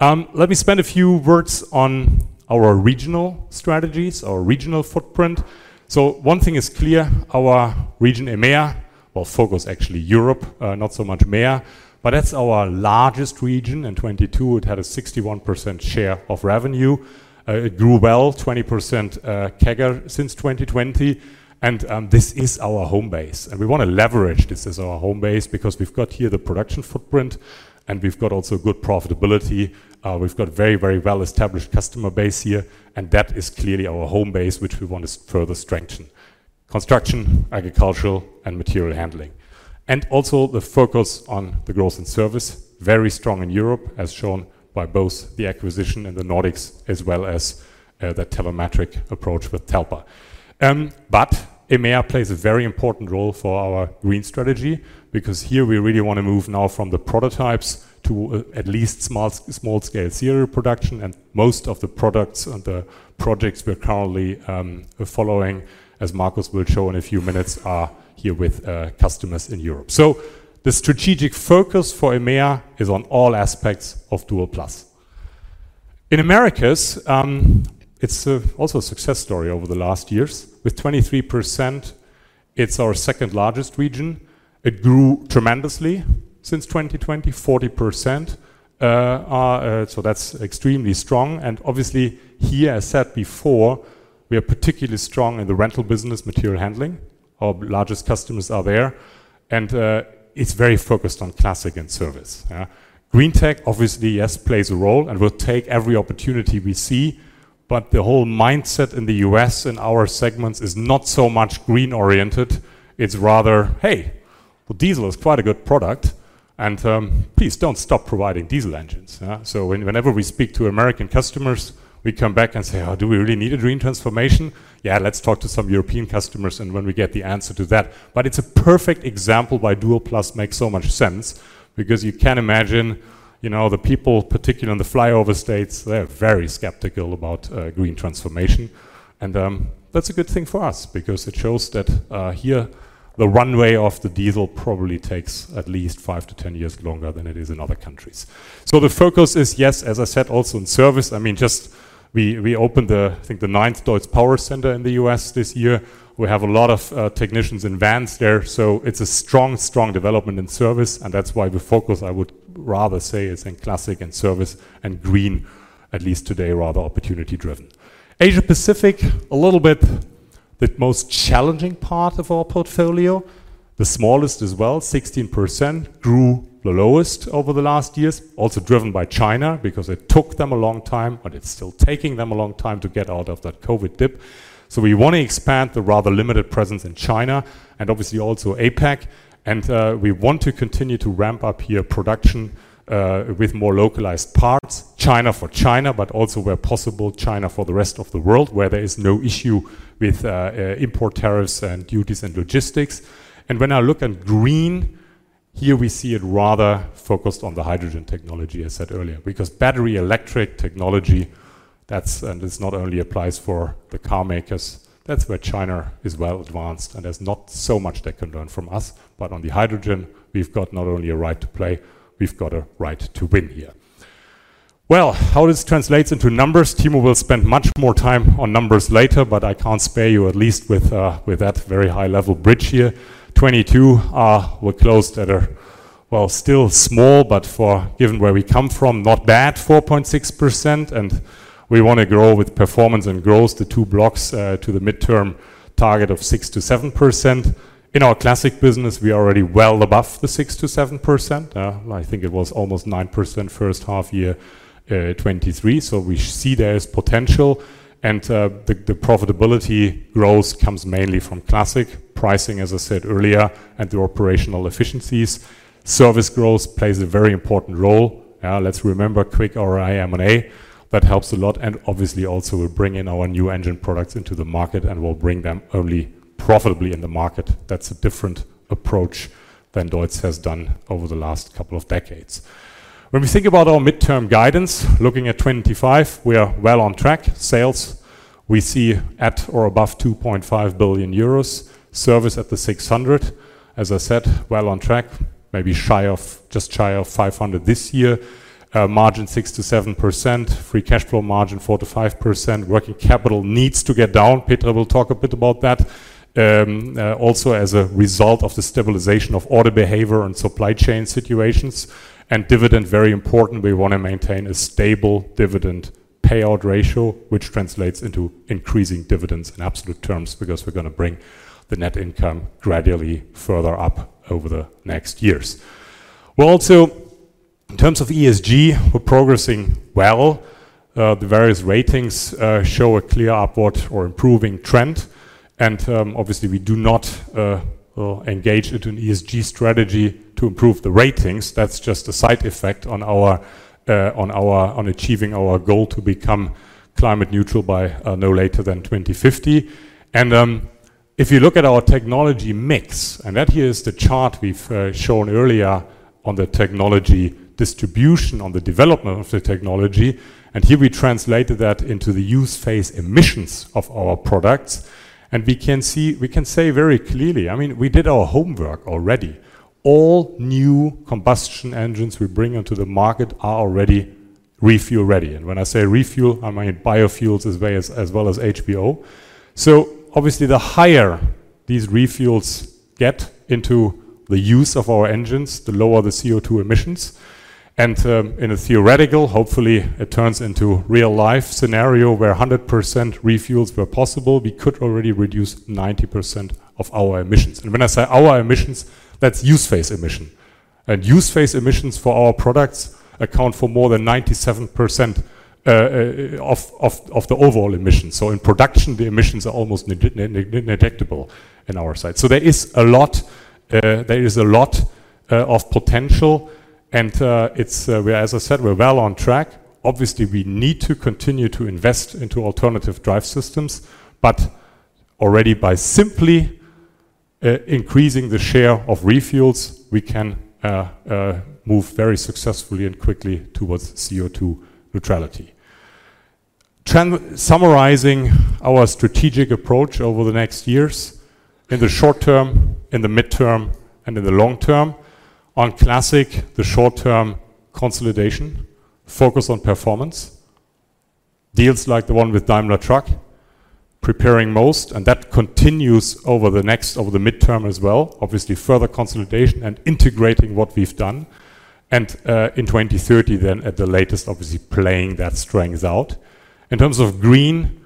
Let me spend a few words on our regional strategies, our regional footprint. So one thing is clear, our region, EMEA. Well, focus actually Europe, not so much EMEA. But that's our largest region, in 2022, it had a 61% share of revenue. It grew well, 20% CAGR since 2020, and this is our home base, and we wanna leverage this as our home base because we've got here the production footprint, and we've got also good profitability. We've got a very, very well-established customer base here, and that is clearly our home base, which we want to further strengthen. Construction, agricultural, and material handling. Also the focus on the growth in Service, very strong in Europe, as shown by both the acquisition in the Nordics as well as the telemetric approach with Talpa. But EMEA plays a very important role for our green strategy because here we really want to move now from the prototypes to at least small-scale serial production, and most of the products and the projects we're currently following, as Markus will show in a few minutes, are here with customers in Europe. So the strategic focus for EMEA is on all aspects of Dual+. In Americas, it's also a success story over the last years. With 23%, it's our second-largest region. It grew tremendously since 2020, 40%. So that's extremely strong and obviously here, as said before, we are particularly strong in the rental business, material handling. Our largest customers are there, and it's very focused on Classic and Service, yeah. Green tech, obviously, yes, plays a role and we'll take every opportunity we see, but the whole mindset in the U.S. and our segments is not so much green-oriented. It's rather, "Hey, well, diesel is quite a good product, and please don't stop providing diesel engines," huh? So whenever we speak to American customers, we come back and say, "Oh, do we really need a green transformation? Yeah, let's talk to some European customers, and when we get the answer to that..." But it's a perfect example why Dual+ makes so much sense, because you can imagine, you know, the people, particularly in the flyover states, they're very skeptical about green transformation. And that's a good thing for us because it shows that here, the runway of the diesel probably takes at least 5-10 years longer than it is in other countries. So the focus is, yes, as I said, also in Service. I mean, just we opened the, I think, the ninth DEUTZ Power Center in the U.S. this year. We have a lot of technicians in vans there, so it's a strong, strong development in Service, and that's why the focus, I would rather say, is in Classic and Service and green, at least today, rather opportunity-driven. Asia-Pacific, a little bit the most challenging part of our portfolio. The smallest as well, 16%, grew the lowest over the last years, also driven by China, because it took them a long time, but it's still taking them a long time to get out of that COVID dip. So we want to expand the rather limited presence in China and obviously also APAC, and, we want to continue to ramp up here production, with more localized parts. China for China, but also, where possible, China for the rest of the world, where there is no issue with, import tariffs and duties and logistics. When I look at green, here we see it rather focused on the hydrogen technology, as said earlier, because battery electric technology, that's, and this not only applies for the car makers, that's where China is well advanced, and there's not so much they can learn from us. But on the hydrogen, we've got not only a right to play, we've got a right to win here. Well, how this translates into numbers, Timo will spend much more time on numbers later, but I can spare you at least with that very high-level bridge here. 2022, we were close to the, well, still small, but for, given where we come from, not bad, 4.6%, and we want to grow with performance and growth, the two blocks, to the midterm target of 6%-7%. In our Classic business, we are already well above the 6%-7%. I think it was almost 9% first half year 2023. So we see there is potential, and the profitability growth comes mainly from Classic pricing, as I said earlier, and the operational efficiencies. Service growth plays a very important role. Let's remember, quick M&A, that helps a lot, and obviously also will bring in our new engine products into the market, and we'll bring them only profitably in the market. That's a different approach than DEUTZ has done over the last couple of decades. When we think about our midterm guidance, looking at 2025, we are well on track. Sales, we see at or above 2.5 billion euros. Service at the 600, as I said, well on track, maybe shy of, just shy of 500 this year. Margin, 6%-7%. Free cash flow margin, 4%-5%. Working capital needs to get down. Petra will talk a bit about that. Also, as a result of the stabilization of order behavior and supply chain situations. Dividend, very important. We want to maintain a stable dividend payout ratio, which translates into increasing dividends in absolute terms, because we're gonna bring the net income gradually further up over the next years. Well, also, in terms of ESG, we're progressing well. The various ratings show a clear upward or improving trend, and, obviously, we do not engage into an ESG strategy to improve the ratings. That's just a side effect on our achieving our goal to become climate neutral by no later than 2050. And if you look at our technology mix, and that here is the chart we've shown earlier on the technology distribution, on the development of the technology, and here we translated that into the use phase emissions of our products. And we can see we can say very clearly, I mean, we did our homework already. All new combustion engines we bring into the market are already refuel-ready. And when I say refuel, I mean biofuels as well as HVO. So obviously, the higher these refuels get into the use of our engines, the lower the CO2 emissions. In a theoretical, hopefully it turns into real-life scenario, where 100% refuels were possible, we could already reduce 90% of our emissions. When I say our emissions, that's use-phase emission. Use-phase emissions for our products account for more than 97%, of the overall emissions. So in production, the emissions are almost negligible on our side. So there is a lot of potential, and it's, as I said, we're well on track. Obviously, we need to continue to invest into alternative drive systems, but already by simply increasing the share of refuels, we can move very successfully and quickly towards CO2 neutrality. Summarizing our strategic approach over the next years, in the short term, in the midterm, and in the long term, on Classic, the short-term consolidation, focus on performance, deals like the one with Daimler Truck, preparing most, and that continues over the next over the midterm as well. Obviously, further consolidation and integrating what we've done, and in 2030 then, at the latest, obviously, playing that strength out. In terms of green,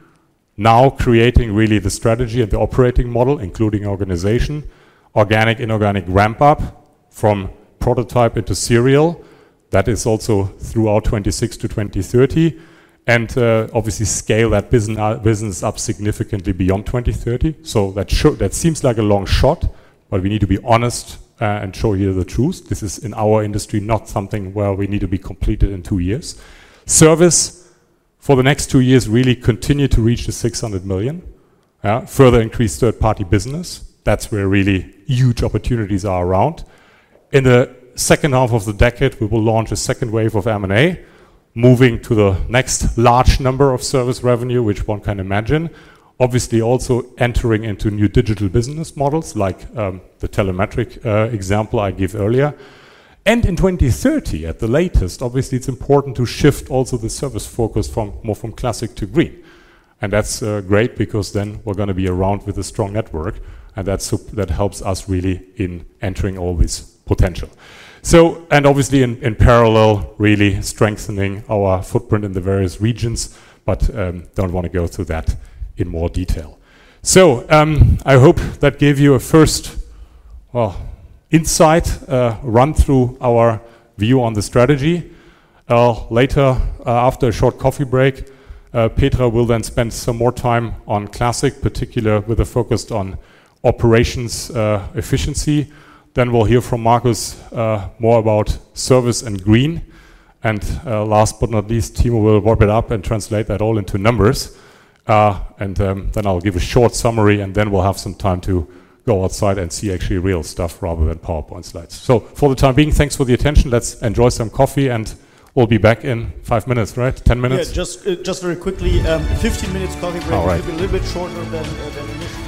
now creating really the strategy and the operating model, including organization, organic, inorganic ramp-up from prototype into serial. That is also throughout 2026-2030, and obviously scale that business up significantly beyond 2030. That seems like a long shot, but we need to be honest, and show you the truth. This is, in our industry, not something where we need to be completed in two years. Service, for the next two years, really continue to reach 600 million, further increase third-party business. That's where really huge opportunities are around. In the second half of the decade, we will launch a second wave of M&A, moving to the next large number of Service revenue, which one can imagine. Obviously, also entering into new digital business models, like, the telemetric example I gave earlier. And in 2030, at the latest, obviously, it's important to shift also the Service focus from more from Classic to green. And that's great because then we're gonna be around with a strong network, and that helps us really in entering all this potential. So... And obviously, in parallel, really strengthening our footprint in the various regions, but don't wanna go through that in more detail. So, I hope that gave you a first insight run through our view on the strategy. Later, after a short coffee break, Petra will then spend some more time on Classics, particularly with a focus on operations efficiency. Then we'll hear from Markus more about Service and green. And, last but not least, Timo will wrap it up and translate that all into numbers. And, then I'll give a short summary, and then we'll have some time to go outside and see actually real stuff rather than PowerPoint slides. So for the time being, thanks for the attention. Let's enjoy some coffee, and we'll be back in five minutes, right? 10 minutes. Yes, just, just very quickly, 15 minutes coffee break. All right. It could be a little bit shorter than initially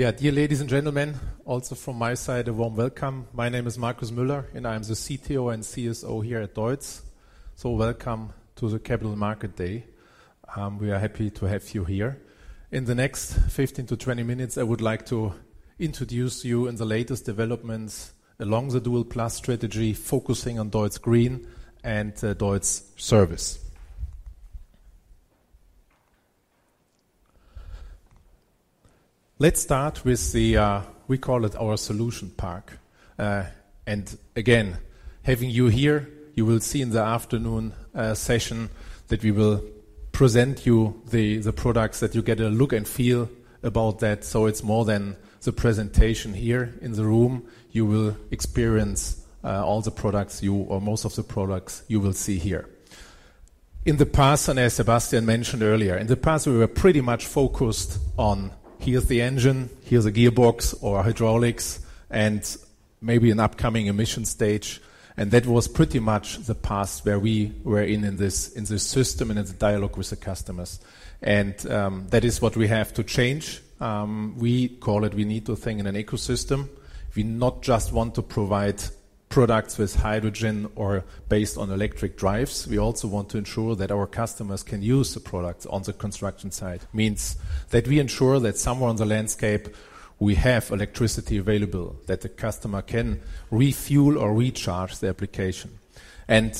planned. Yeah, dear ladies and gentlemen, also from my side, a warm welcome. My name is Markus Müller, and I'm the CTO and CSO here at DEUTZ. So welcome to the Capital Market Day. We are happy to have you here. In the next 15-20 minutes, I would like to introduce you in the latest developments along the Dual+ strategy, focusing on DEUTZ Green and, DEUTZ Service. Let's start with the, we call it our solution pack. And again, having you here, you will see in the afternoon, session that we will present you the, the products that you get a look and feel about that. So it's more than the presentation here in the room. You will experience, all the products you or most of the products you will see here. In the past, and as Sebastian mentioned earlier, in the past, we were pretty much focused on: here's the engine, here's the gearbox or hydraulics, and maybe an upcoming emission stage, and that was pretty much the past where we were in, in this, in this system and in the dialogue with the customers. And, that is what we have to change. We call it we need to think in an ecosystem. We not just want to provide products with hydrogen or based on electric drives, we also want to ensure that our customers can use the product on the construction site. Means that we ensure that somewhere on the landscape, we have electricity available, that the customer can refuel or recharge the application. And,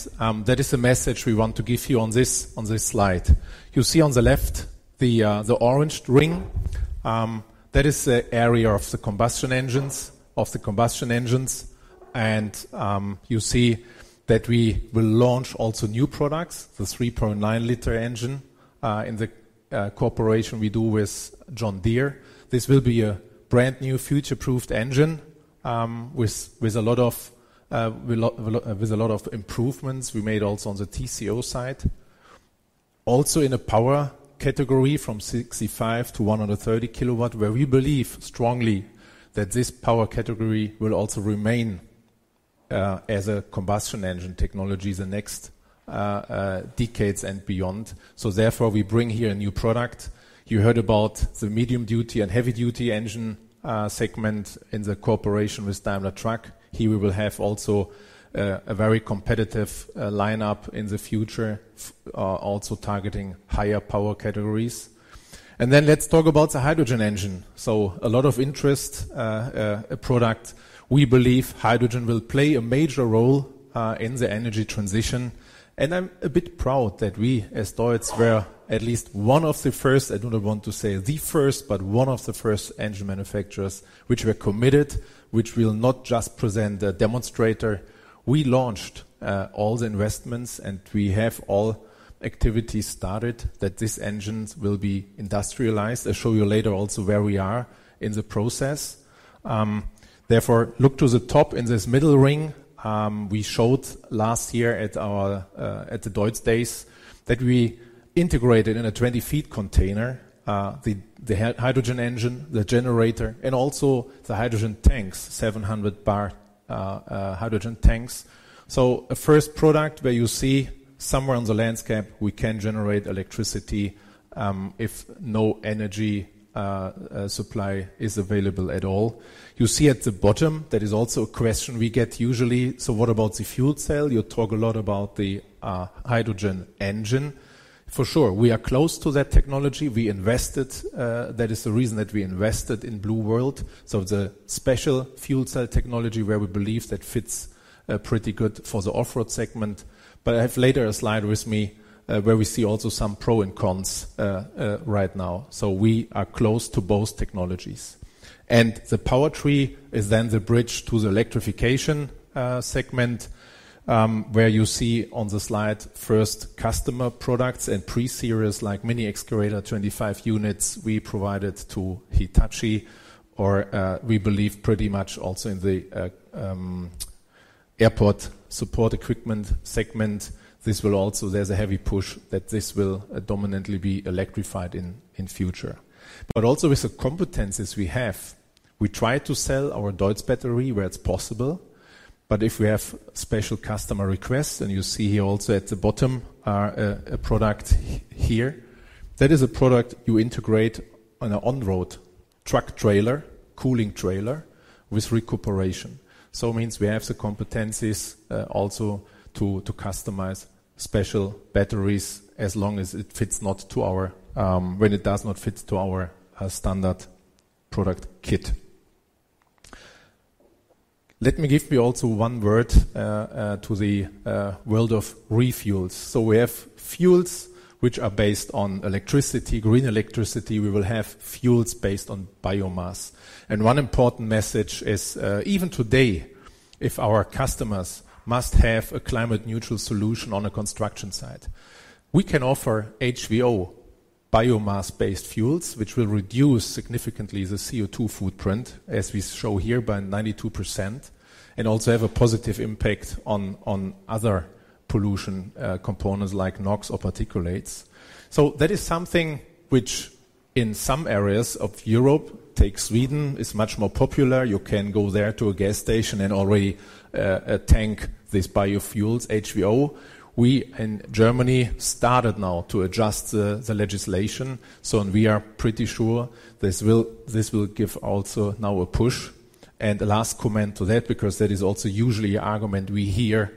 that is the message we want to give you on this, on this slide. You see on the left, the orange ring, that is the area of the combustion engines, and you see that we will launch also new products, the 3.9-liter engine, in the cooperation we do with John Deere. This will be a brand-new future-proofed engine, with a lot of improvements we made also on the TCO side. Also, in the power category, from 65-130 kW, where we believe strongly that this power category will also remain as a combustion engine technology, the next decades and beyond. So therefore, we bring here a new product. You heard about the medium-duty and heavy-duty engine segment in the cooperation with Daimler Truck. Here, we will have also, a very competitive, lineup in the future, also targeting higher power categories. And then let's talk about the hydrogen engine. So a lot of interest, product. We believe hydrogen will play a major role, in the energy transition, and I'm a bit proud that we, as DEUTZ, were at least one of the first, I do not want to say the first, but one of the first engine manufacturers which were committed, which will not just present a demonstrator. We launched, all the investments, and we have all activities started that these engines will be industrialized. I'll show you later also where we are in the process. Therefore, look to the top in this middle ring. We showed last year at our DEUTZ Days that we integrated in a 20-foot container the hydrogen engine, the generator, and also the hydrogen tanks, 700-bar hydrogen tanks. So a first product where you see somewhere on the landscape, we can generate electricity if no energy supply is available at all. You see at the bottom, that is also a question we get usually: "So what about the fuel cell? You talk a lot about the hydrogen engine." For sure, we are close to that technology. We invested. That is the reason that we invested in Blue World. So the special fuel cell technology, where we believe that fits pretty good for the off-road segment. I have later a slide with me, where we see also some pros and cons right now, so we are close to both technologies. The PowerTree is then the bridge to the electrification segment, where you see on the slide, first customer products and pre-series, like mini excavator, 25 units we provided to Hitachi, or we believe pretty much also in the airport support equipment segment. This will also... There's a heavy push that this will dominantly be electrified in future. But also, with the competencies we have, we try to sell our DEUTZ battery where it's possible. But if we have special customer requests, and you see here also at the bottom, a product here, that is a product you integrate on an on-road truck trailer, cooling trailer with recuperation. So it means we have the competencies also to customize special batteries as long as it fits not to our, when it does not fit to our standard product kit. Let me give you also one word to the world of refuels. We have fuels which are based on electricity, green electricity. We will have fuels based on biomass. And one important message is, even today, if our customers must have a climate neutral solution on a construction site, we can offer HVO biomass-based fuels, which will reduce significantly the CO2 footprint, as we show here, by 92%, and also have a positive impact on other pollution components like NOx or particulates. That is something which in some areas of Europe, take Sweden, is much more popular. You can go there to a gas station and already tank these biofuels, HVO. We, in Germany, started now to adjust the legislation, so and we are pretty sure this will give also now a push. The last comment to that, because that is also usually an argument we hear,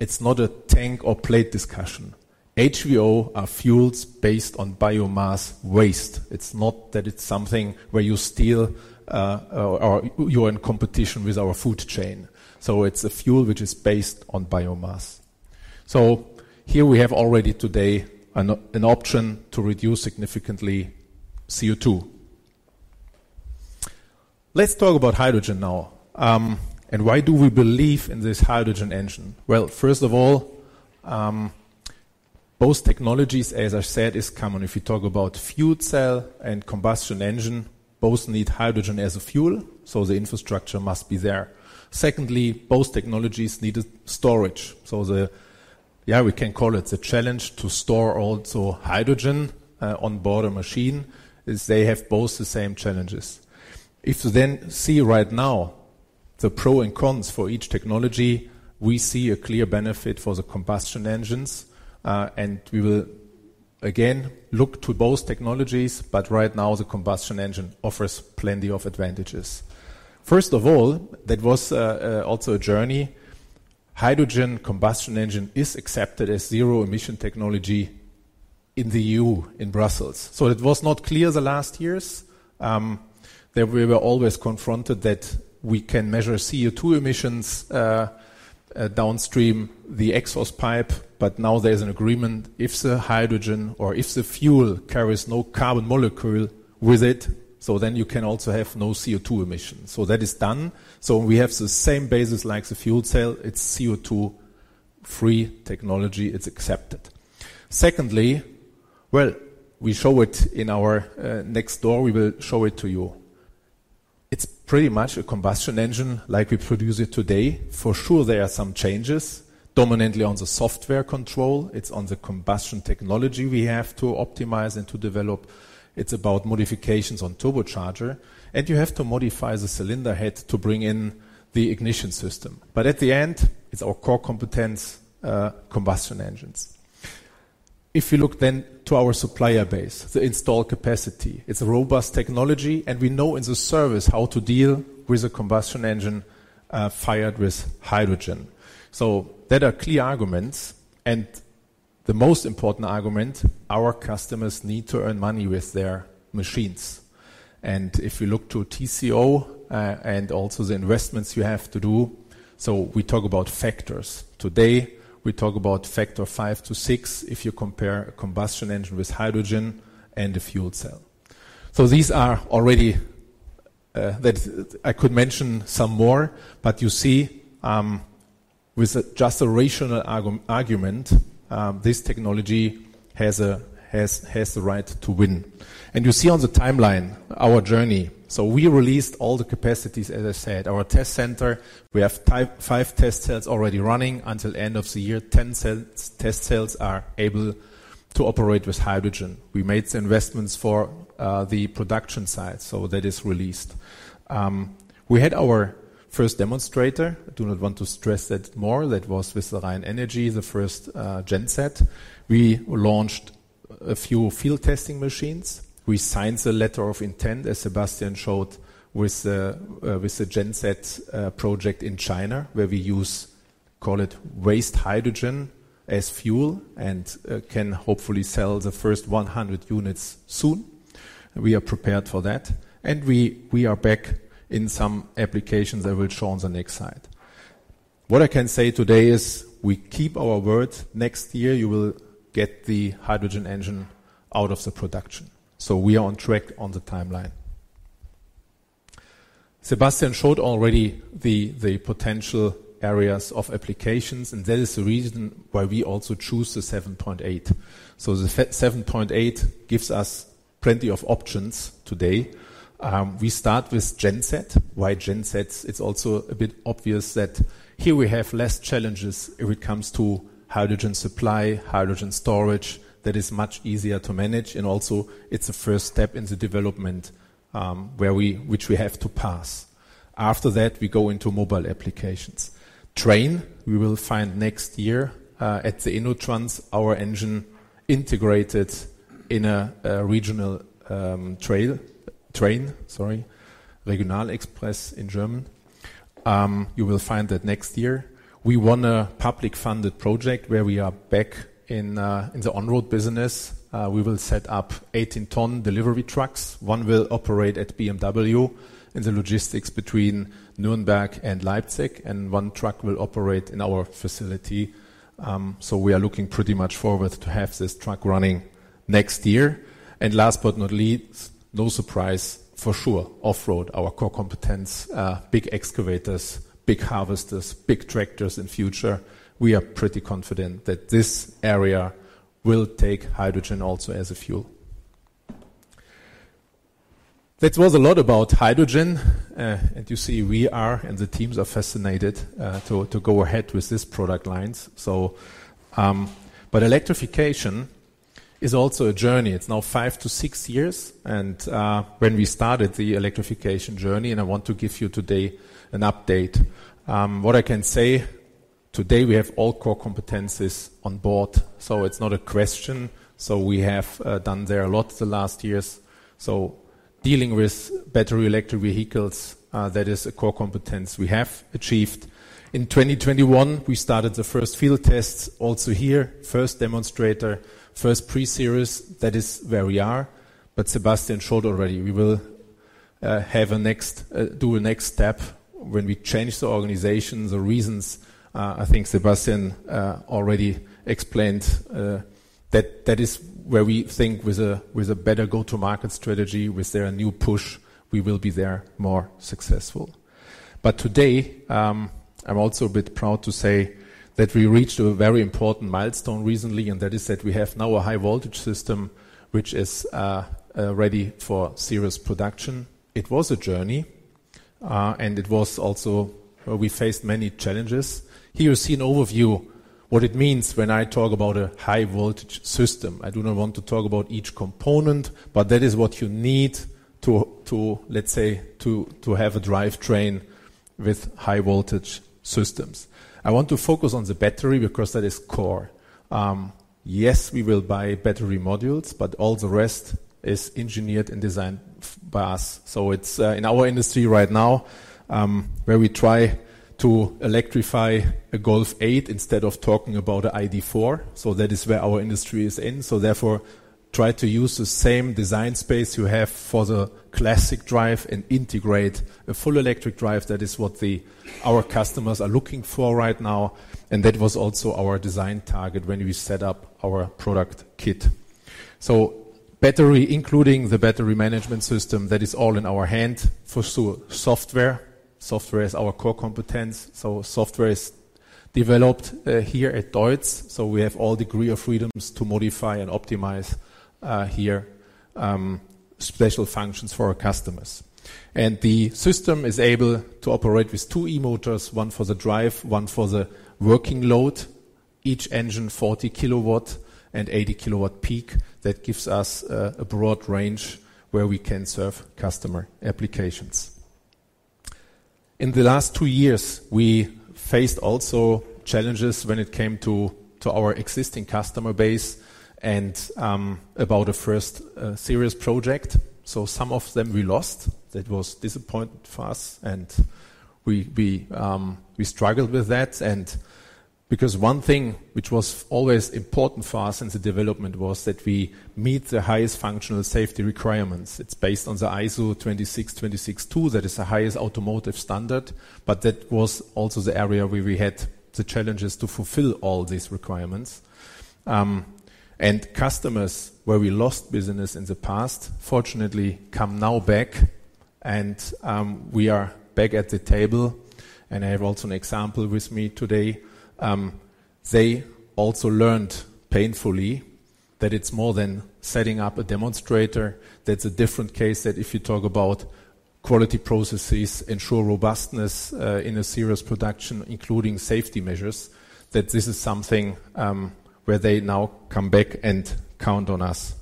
it's not a tank or plate discussion. HVO are fuels based on biomass waste. It's not that it's something where you steal or you're in competition with our food chain. So it's a fuel which is based on biomass. So here we have already today an option to reduce significantly CO2. Let's talk about hydrogen now. And why do we believe in this hydrogen engine? Well, first of all, both technologies, as I said, is common. If you talk about fuel cell and combustion engine, both need hydrogen as a fuel, so the infrastructure must be there. Secondly, both technologies need a storage. We can call it the challenge to store also hydrogen on board a machine, is they have both the same challenges. If you then see right now the pros and cons for each technology, we see a clear benefit for the combustion engines, and we will again look to both technologies, but right now, the combustion engine offers plenty of advantages. First of all, that was also a journey. Hydrogen combustion engine is accepted as zero-emission technology in the EU, in Brussels. So it was not clear the last years that we were always confronted that we can measure CO2 emissions downstream the exhaust pipe, but now there's an agreement. If the hydrogen or if the fuel carries no carbon molecule with it, so then you can also have no CO2 emissions. So that is done. So we have the same basis like the fuel cell. It's CO2-free technology. It's accepted. Secondly, well, we show it in our next door, we will show it to you. It's pretty much a combustion engine like we produce it today. For sure, there are some changes dominantly on the software control, it's on the combustion technology we have to optimize and to develop. It's about modifications on turbocharger, and you have to modify the cylinder head to bring in the ignition system. But at the end, it's our core competence, combustion engines. If you look then to our supplier base, the installed capacity, it's a robust technology, and we know in the Service how to deal with a combustion engine fired with hydrogen. So that are clear arguments, and the most important argument, our customers need to earn money with their machines. And if you look to TCO, and also the investments you have to do, so we talk about factors. Today, we talk about factor 5-6 if you compare a combustion engine with hydrogen and a fuel cell. So these are already, I could mention some more, but you see, with just a rational argument, this technology has a, has, has the right to win. And you see on the timeline, our journey. So we released all the capacities, as I said. Our test center, we have five test cells already running. Until end of the year, 10 test cells are able to operate with hydrogen. We made the investments for the production side, so that is released. We had our first demonstrator. I do not want to stress that more. That was with the RheinEnergie, the first genset. We launched a few field testing machines. We signed the letter of intent, as Sebastian showed, with the genset project in China, where we use, call it, waste hydrogen as fuel, and can hopefully sell the first 100 units soon. We are prepared for that, and we are back in some applications I will show on the next slide. What I can say today is we keep our word. Next year, you will get the hydrogen engine out of the production, so we are on track on the timeline. Sebastian showed already the potential areas of applications, and that is the reason why we also choose the 7.8. So the 7.8 gives us plenty of options today. We start with genset. Why gensets? It's also a bit obvious that here we have less challenges if it comes to hydrogen supply, hydrogen storage, that is much easier to manage, and also it's a first step in the development, which we have to pass. After that, we go into mobile applications. We will find next year at the InnoTrans, our engine integrated in a regional express train in German. You will find that next year. We won a public funded project where we are back in the on-road business. We will set up 18-tonne delivery trucks. One will operate at BMW in the logistics between Nürnberg and Leipzig, and one truck will operate in our facility. So we are looking pretty much forward to have this truck running next year. And last but not least, no surprise, for sure, off-road, our core competence, big excavators, big harvesters, big tractors in future. We are pretty confident that this area will take hydrogen also as a fuel. That was a lot about hydrogen, and you see, we are, and the teams are fascinated, to go ahead with these product lines. So, but electrification is also a journey. It's now five to six years, and when we started the electrification journey, and I want to give you today an update. What I can say, today, we have all core competencies on board, so it's not a question. So we have done there a lot the last years. So dealing with battery electric vehicles, that is a core competence we have achieved. In 2021, we started the first field tests, also here, first demonstrator, first pre-series. That is where we are. But Sebastian showed already, we will have a next, do a next step when we change the organization. The reasons, I think Sebastian already explained, that that is where we think with a, with a better go-to-market strategy, with their new push, we will be there more successful. But today, I'm also a bit proud to say that we reached a very important milestone recently, and that is that we have now a high voltage system, which is ready for serious production. It was a journey, and it was also... We faced many challenges. Here, you see an overview, what it means when I talk about a high voltage system. I do not want to talk about each component, but that is what you need to, let's say, have a drivetrain with high voltage systems. I want to focus on the battery, because that is core. Yes, we will buy battery modules, but all the rest is engineered and designed by us. So it's in our industry right now, where we try to electrify a Golf 8 instead of talking about an ID.4. So that is where our industry is in. So therefore, try to use the same design space you have for the Classic drive and integrate a full electric drive. That is what the, our customers are looking for right now, and that was also our design target when we set up our product kit. So battery, including the battery management system, that is all in our hand. For sure, software. Software is our core competence, so software is developed here at DEUTZ, so we have all degree of freedoms to modify and optimize here, special functions for our customers. And the system is able to operate with two e-motors, one for the drive, one for the working load, each engine 40 kW and 80 kW peak. That gives us a broad range where we can serve customer applications. In the last two years, we faced also challenges when it came to our existing customer base and about a first serious project. So some of them we lost. That was disappointing for us, and we struggled with that and because one thing which was always important for us in the development was that we meet the highest functional safety requirements. It's based on the ISO 26262, that is the highest automotive standard, but that was also the area where we had the challenges to fulfill all these requirements. And customers where we lost business in the past, fortunately, come now back and we are back at the table, and I have also an example with me today. They also learned painfully that it's more than setting up a demonstrator. That's a different case that if you talk about quality processes, ensure robustness, in a serious production, including safety measures, that this is something, where they now come back and count on us.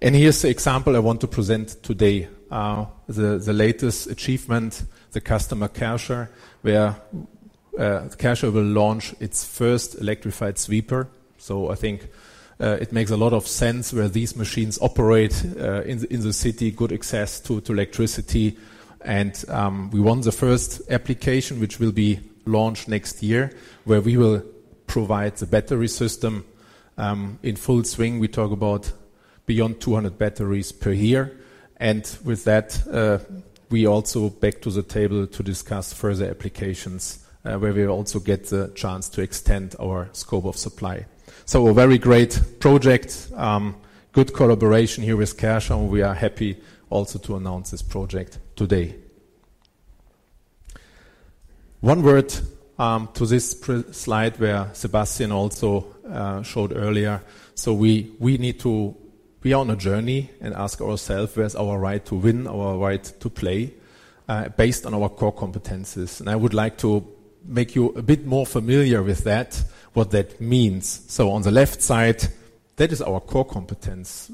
And here's the example I want to present today. The latest achievement, the customer, Kärcher, where, Kärcher will launch its first electrified sweeper. So I think, it makes a lot of sense where these machines operate, in the city, good access to electricity. And, we won the first application, which will be launched next year, where we will provide the battery system, in full swing. We talk about beyond 200 batteries per year, and with that, we also back to the table to discuss further applications, where we also get the chance to extend our scope of supply. So a very great project, good collaboration here with Kärcher, and we are happy also to announce this project today. One word to this slide, where Sebastian also showed earlier. So we need to... We are on a journey and ask ourselves, where's our right to win, our right to play based on our core competencies. I would like to make you a bit more familiar with that, what that means. So on the left side, that is our core competence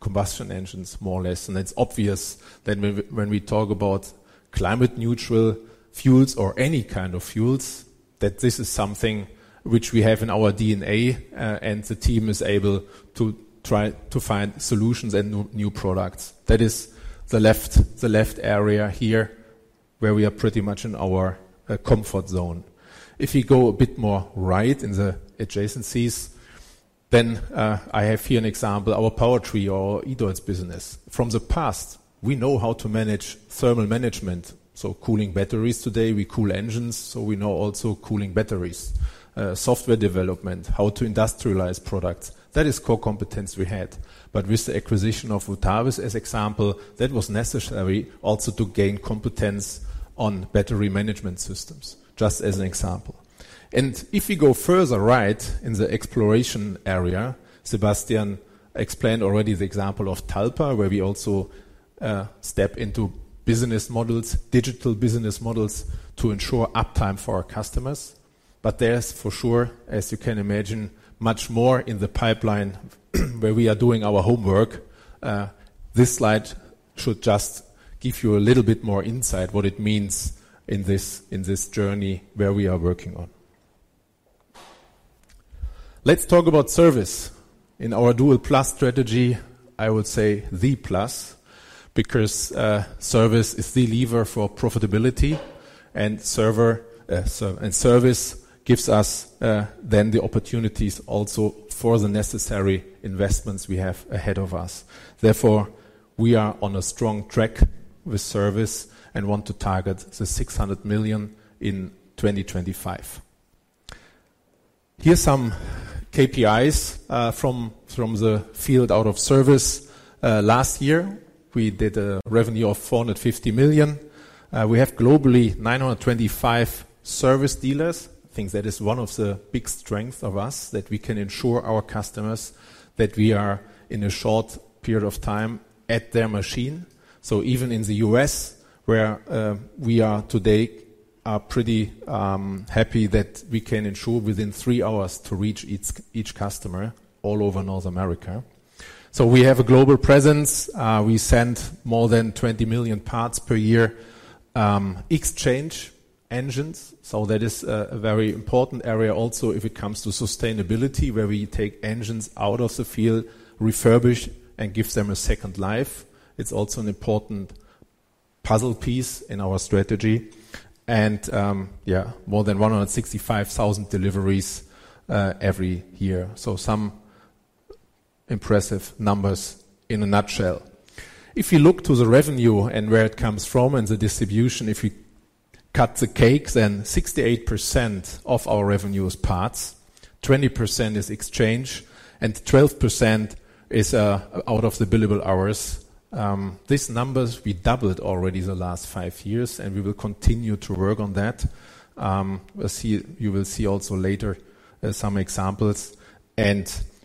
combustion engines, more or less. And it's obvious that when we talk about climate neutral fuels or any kind of fuels, that this is something which we have in our DNA and the team is able to try to find solutions and new products. That is the left, the left area here, where we are pretty much in our comfort zone. If you go a bit more right in the adjacencies, then I have here an example, our PowerTree, our e-drive business. From the past, we know how to manage thermal management, so cooling batteries. Today, we cool engines, so we know also cooling batteries, software development, how to industrialize products. That is core competence we had. But with the acquisition of Futavis, as example, that was necessary also to gain competence on battery management systems, just as an example. And if you go further right in the exploration area, Sebastian explained already the example of Talpa, where we also step into business models, digital business models, to ensure uptime for our customers. But there's for sure, as you can imagine, much more in the pipeline, where we are doing our homework. This slide should just give you a little bit more insight, what it means in this journey where we are working on. Let's talk about Service. In our Dual+ strategy, I would say the plus, because Service is the lever for profitability and Service gives us then the opportunities also for the necessary investments we have ahead of us. Therefore, we are on a strong track with Service and want to target 600 million in 2025. Here's some KPIs from the field out of service. Last year, we did a revenue of 450 million. We have globally 925 Service dealers. I think that is one of the big strength of us, that we can ensure our customers that we are in a short period of time at their machine. So even in the U.S., where we are today are pretty happy that we can ensure within three hours to reach each customer all over North America. So we have a global presence. We send more than 20 million parts per year, exchange engines. So that is a very important area also, if it comes to sustainability, where we take engines out of the field, refurbish, and give them a second life. It's also an important puzzle piece in our strategy. And yeah, more than 165,000 deliveries every year. So some impressive numbers in a nutshell. If you look to the revenue and where it comes from and the distribution, if you cut the cake, then 68% of our revenue is parts, 20% is exchange, and 12% is out of the billable hours. These numbers, we doubled already the last five years, and we will continue to work on that. We'll see. You will see also later some examples.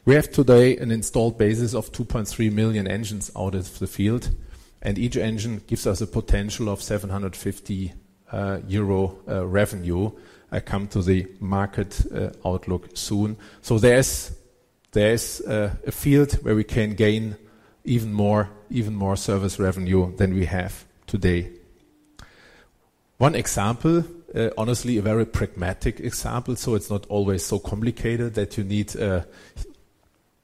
We have today an installed basis of 2.3 million engines out into the field, and each engine gives us a potential of 750 euro revenue. I come to the market outlook soon. So there's a field where we can gain even more, even more Service revenue than we have today. One example, honestly, a very pragmatic example, so it's not always so complicated that you need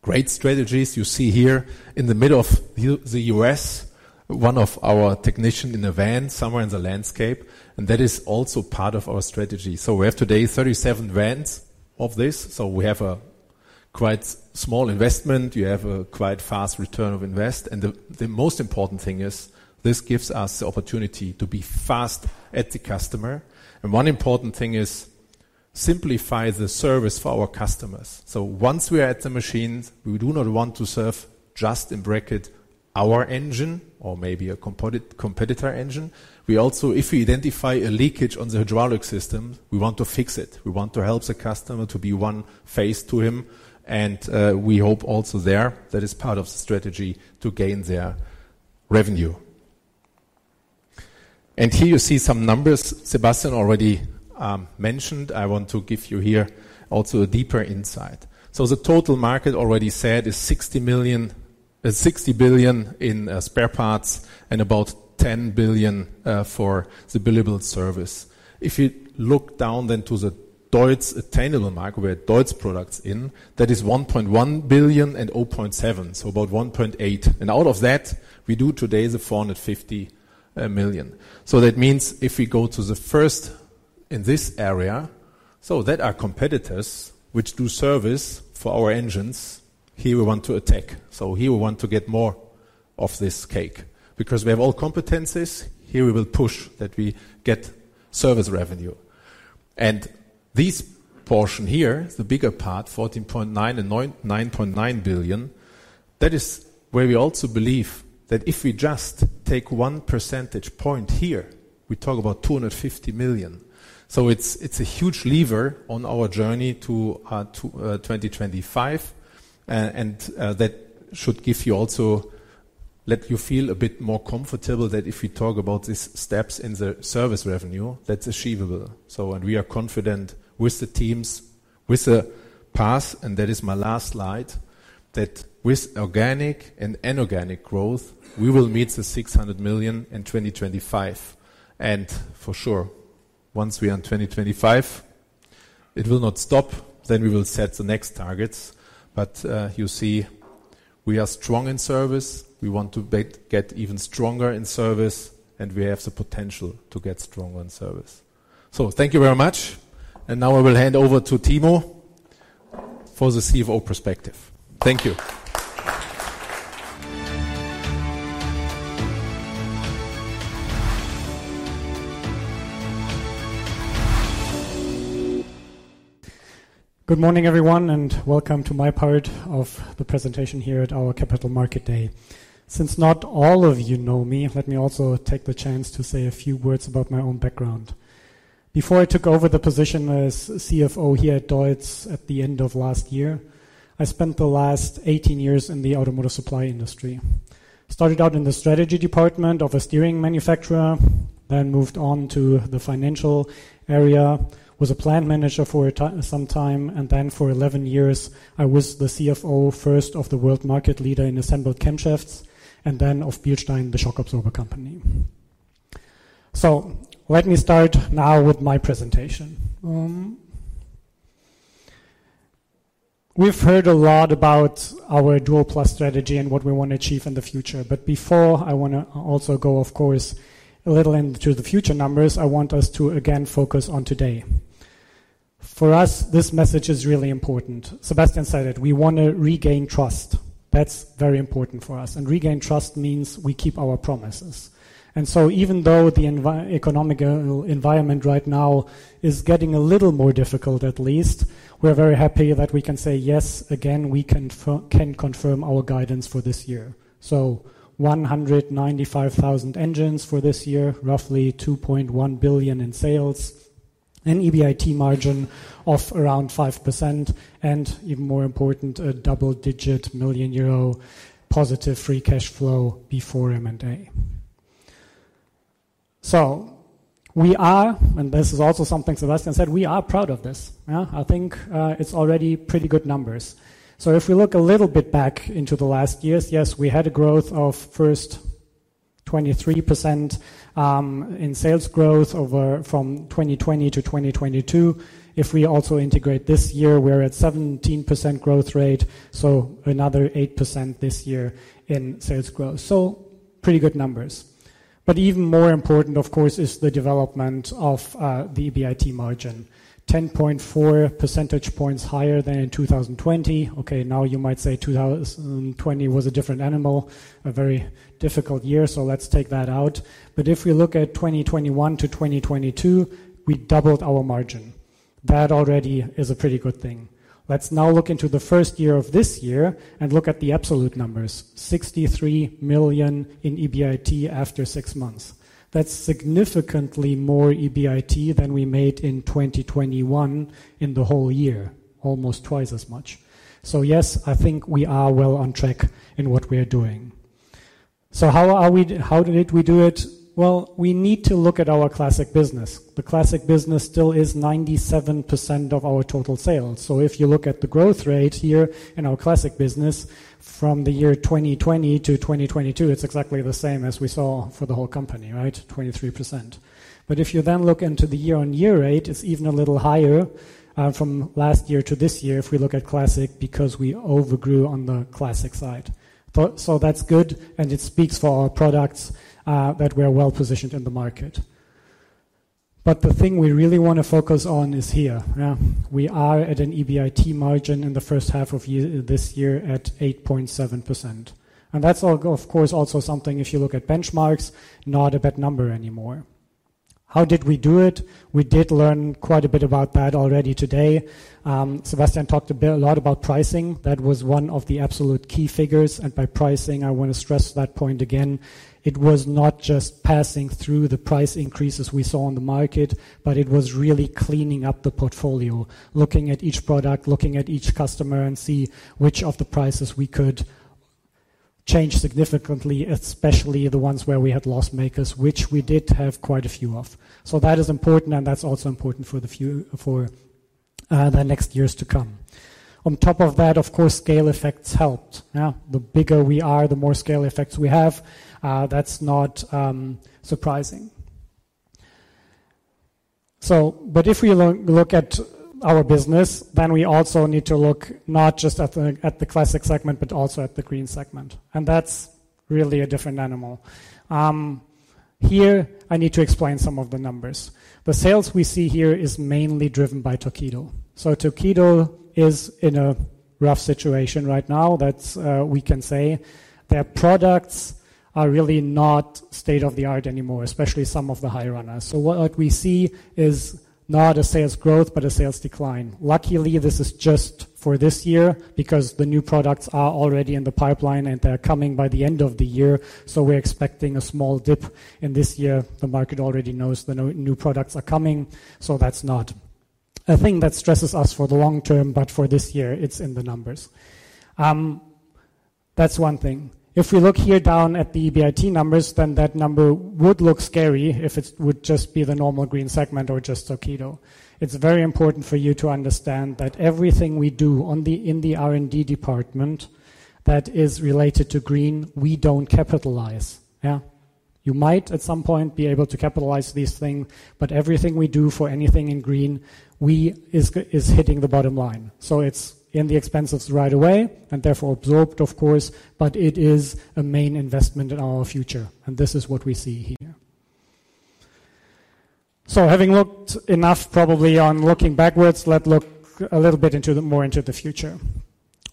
great strategies. You see here in the middle of the U.S., one of our technician in a van, somewhere in the landscape, and that is also part of our strategy. So we have today 37 vans of this, so we have a quite small investment. We have a quite fast return of invest. And the most important thing is, this gives us the opportunity to be fast at the customer. And one important thing is, simplify the service for our customers. So once we are at the machines, we do not want to serve just in bracket our engine or maybe a competitor engine. We also, if we identify a leakage on the hydraulic system, we want to fix it. We want to help the customer to be one face to him, and we hope also there, that is part of the strategy to gain their revenue. And here you see some numbers Sebastian already mentioned. I want to give you here also a deeper insight. So the total market, already said, is 60 billion in spare parts and about 10 billion for the billable service. If you look down then to the DEUTZ attainable market, where DEUTZ products in, that is 1.1 billion and 0.7, so about 1.8. And out of that, we do today the 450 million. So that means if we go to the first in this area, so there are competitors which do Service for our engines, here we want to attack. So here we want to get more of this cake. Because we have all competencies, here we will push that we get Service revenue. This portion here, the bigger part, 14.9 billion and 9.9 billion, that is where we also believe that if we just take 1 percentage point here, we talk about 250 million. So it's, it's a huge lever on our journey to 2025. And, that should give you also... let you feel a bit more comfortable that if we talk about these steps in the Service revenue, that's achievable. So and we are confident with the teams, with the path, and that is my last slide. That with organic and inorganic growth, we will meet the 600 million in 2025. And for sure, once we are in 2025, it will not stop, then we will set the next targets. But, you see, we are strong in Service. We want to get even stronger in Service, and we have the potential to get stronger in Service. So thank you very much, and now I will hand over to Timo for the CFO perspective. Thank you. Good morning, everyone, and welcome to my part of the presentation here at our Capital Market Day. Since not all of you know me, let me also take the chance to say a few words about my own background. Before I took over the position as CFO here at DEUTZ at the end of last year, I spent the last 18 years in the automotive supply industry. Started out in the strategy department of a steering manufacturer, then moved on to the financial area, was a plant manager for some time, and then for 11 years, I was the CFO, first of the world market leader in assembled camshafts, and then of Bilstein, the shock absorber company. So let me start now with my presentation. We've heard a lot about our Dual+ strategy and what we want to achieve in the future, but before I wanna also go, of course, a little into the future numbers, I want us to again, focus on today. For us, this message is really important. Sebastian said it, we want to regain trust. That's very important for us. And regain trust means we keep our promises. And so even though the economic environment right now is getting a little more difficult, at least, we're very happy that we can say yes again, we can confirm our guidance for this year. So 195,000 engines for this year, roughly 2.1 billion in sales, an EBIT margin of around 5%, and even more important, a double-digit million euro positive free cash flow before M&A. So we are, and this is also something Sebastian said, we are proud of this. Yeah, I think, it's already pretty good numbers. So if we look a little bit back into the last years, yes, we had a growth of first 23%, in sales growth over from 2020-2022. If we also integrate this year, we're at 17% growth rate, so another 8% this year in sales growth. So pretty good numbers. But even more important, of course, is the development of, the EBIT margin, 10.4 percentage points higher than in 2020. Okay, now, you might say 2020 was a different animal, a very difficult year, so let's take that out. But if we look at 2021-2022, we doubled our margin. That already is a pretty good thing. Let's now look into the first year of this year and look at the absolute numbers: 63 million in EBIT after six months. That's significantly more EBIT than we made in 2021 in the whole year, almost twice as much. So yes, I think we are well on track in what we are doing. So how did we do it? Well, we need to look at our Classic business. The Classic business still is 97% of our total sales. So if you look at the growth rate here in our Classic business from the year 2020-2022, it's exactly the same as we saw for the whole company, right? 23%. But if you then look into the year-on-year rate, it's even a little higher from last year to this year, if we look at Classic, because we overgrew on the Classic side. So, so that's good, and it speaks for our products that we are well-positioned in the market. But the thing we really want to focus on is here. Yeah, we are at an EBIT margin in the first half of year, this year at 8.7%. And that's of course, also something, if you look at benchmarks, not a bad number anymore. How did we do it? We did learn quite a bit about that already today. Sebastian talked a bit, a lot about pricing. That was one of the absolute key figures, and by pricing, I want to stress that point again. It was not just passing through the price increases we saw on the market, but it was really cleaning up the portfolio, looking at each product, looking at each customer, and see which of the prices we could change significantly, especially the ones where we had loss makers, which we did have quite a few of. So that is important, and that's also important for the few, for, the next years to come. On top of that, of course, scale effects helped. Yeah, the bigger we are, the more scale effects we have. That's not surprising. So but if we look at our business, then we also need to look not just at the Classic segment, but also at the green segment, and that's really a different animal. Here I need to explain some of the numbers. The sales we see here is mainly driven by Torqeedo. So Torqeedo is in a rough situation right now. That's, we can say. Their products are really not state-of-the-art anymore, especially some of the high runners. So what, like we see is not a sales growth, but a sales decline. Luckily, this is just for this year because the new products are already in the pipeline, and they're coming by the end of the year, so we're expecting a small dip in this year. The market already knows the new products are coming, so that's not a thing that stresses us for the long term, but for this year, it's in the numbers. That's one thing. If we look here down at the EBIT numbers, then that number would look scary if it would just be the normal green segment or just Torqeedo. It's very important for you to understand that everything we do in the R&D department that is related to green, we don't capitalize. Yeah. You might, at some point, be able to capitalize these things, but everything we do for anything in green, we is hitting the bottom line. So it's in the expenses right away and therefore absorbed, of course, but it is a main investment in our future, and this is what we see here. So having looked enough probably on looking backwards, let's look a little bit more into the future.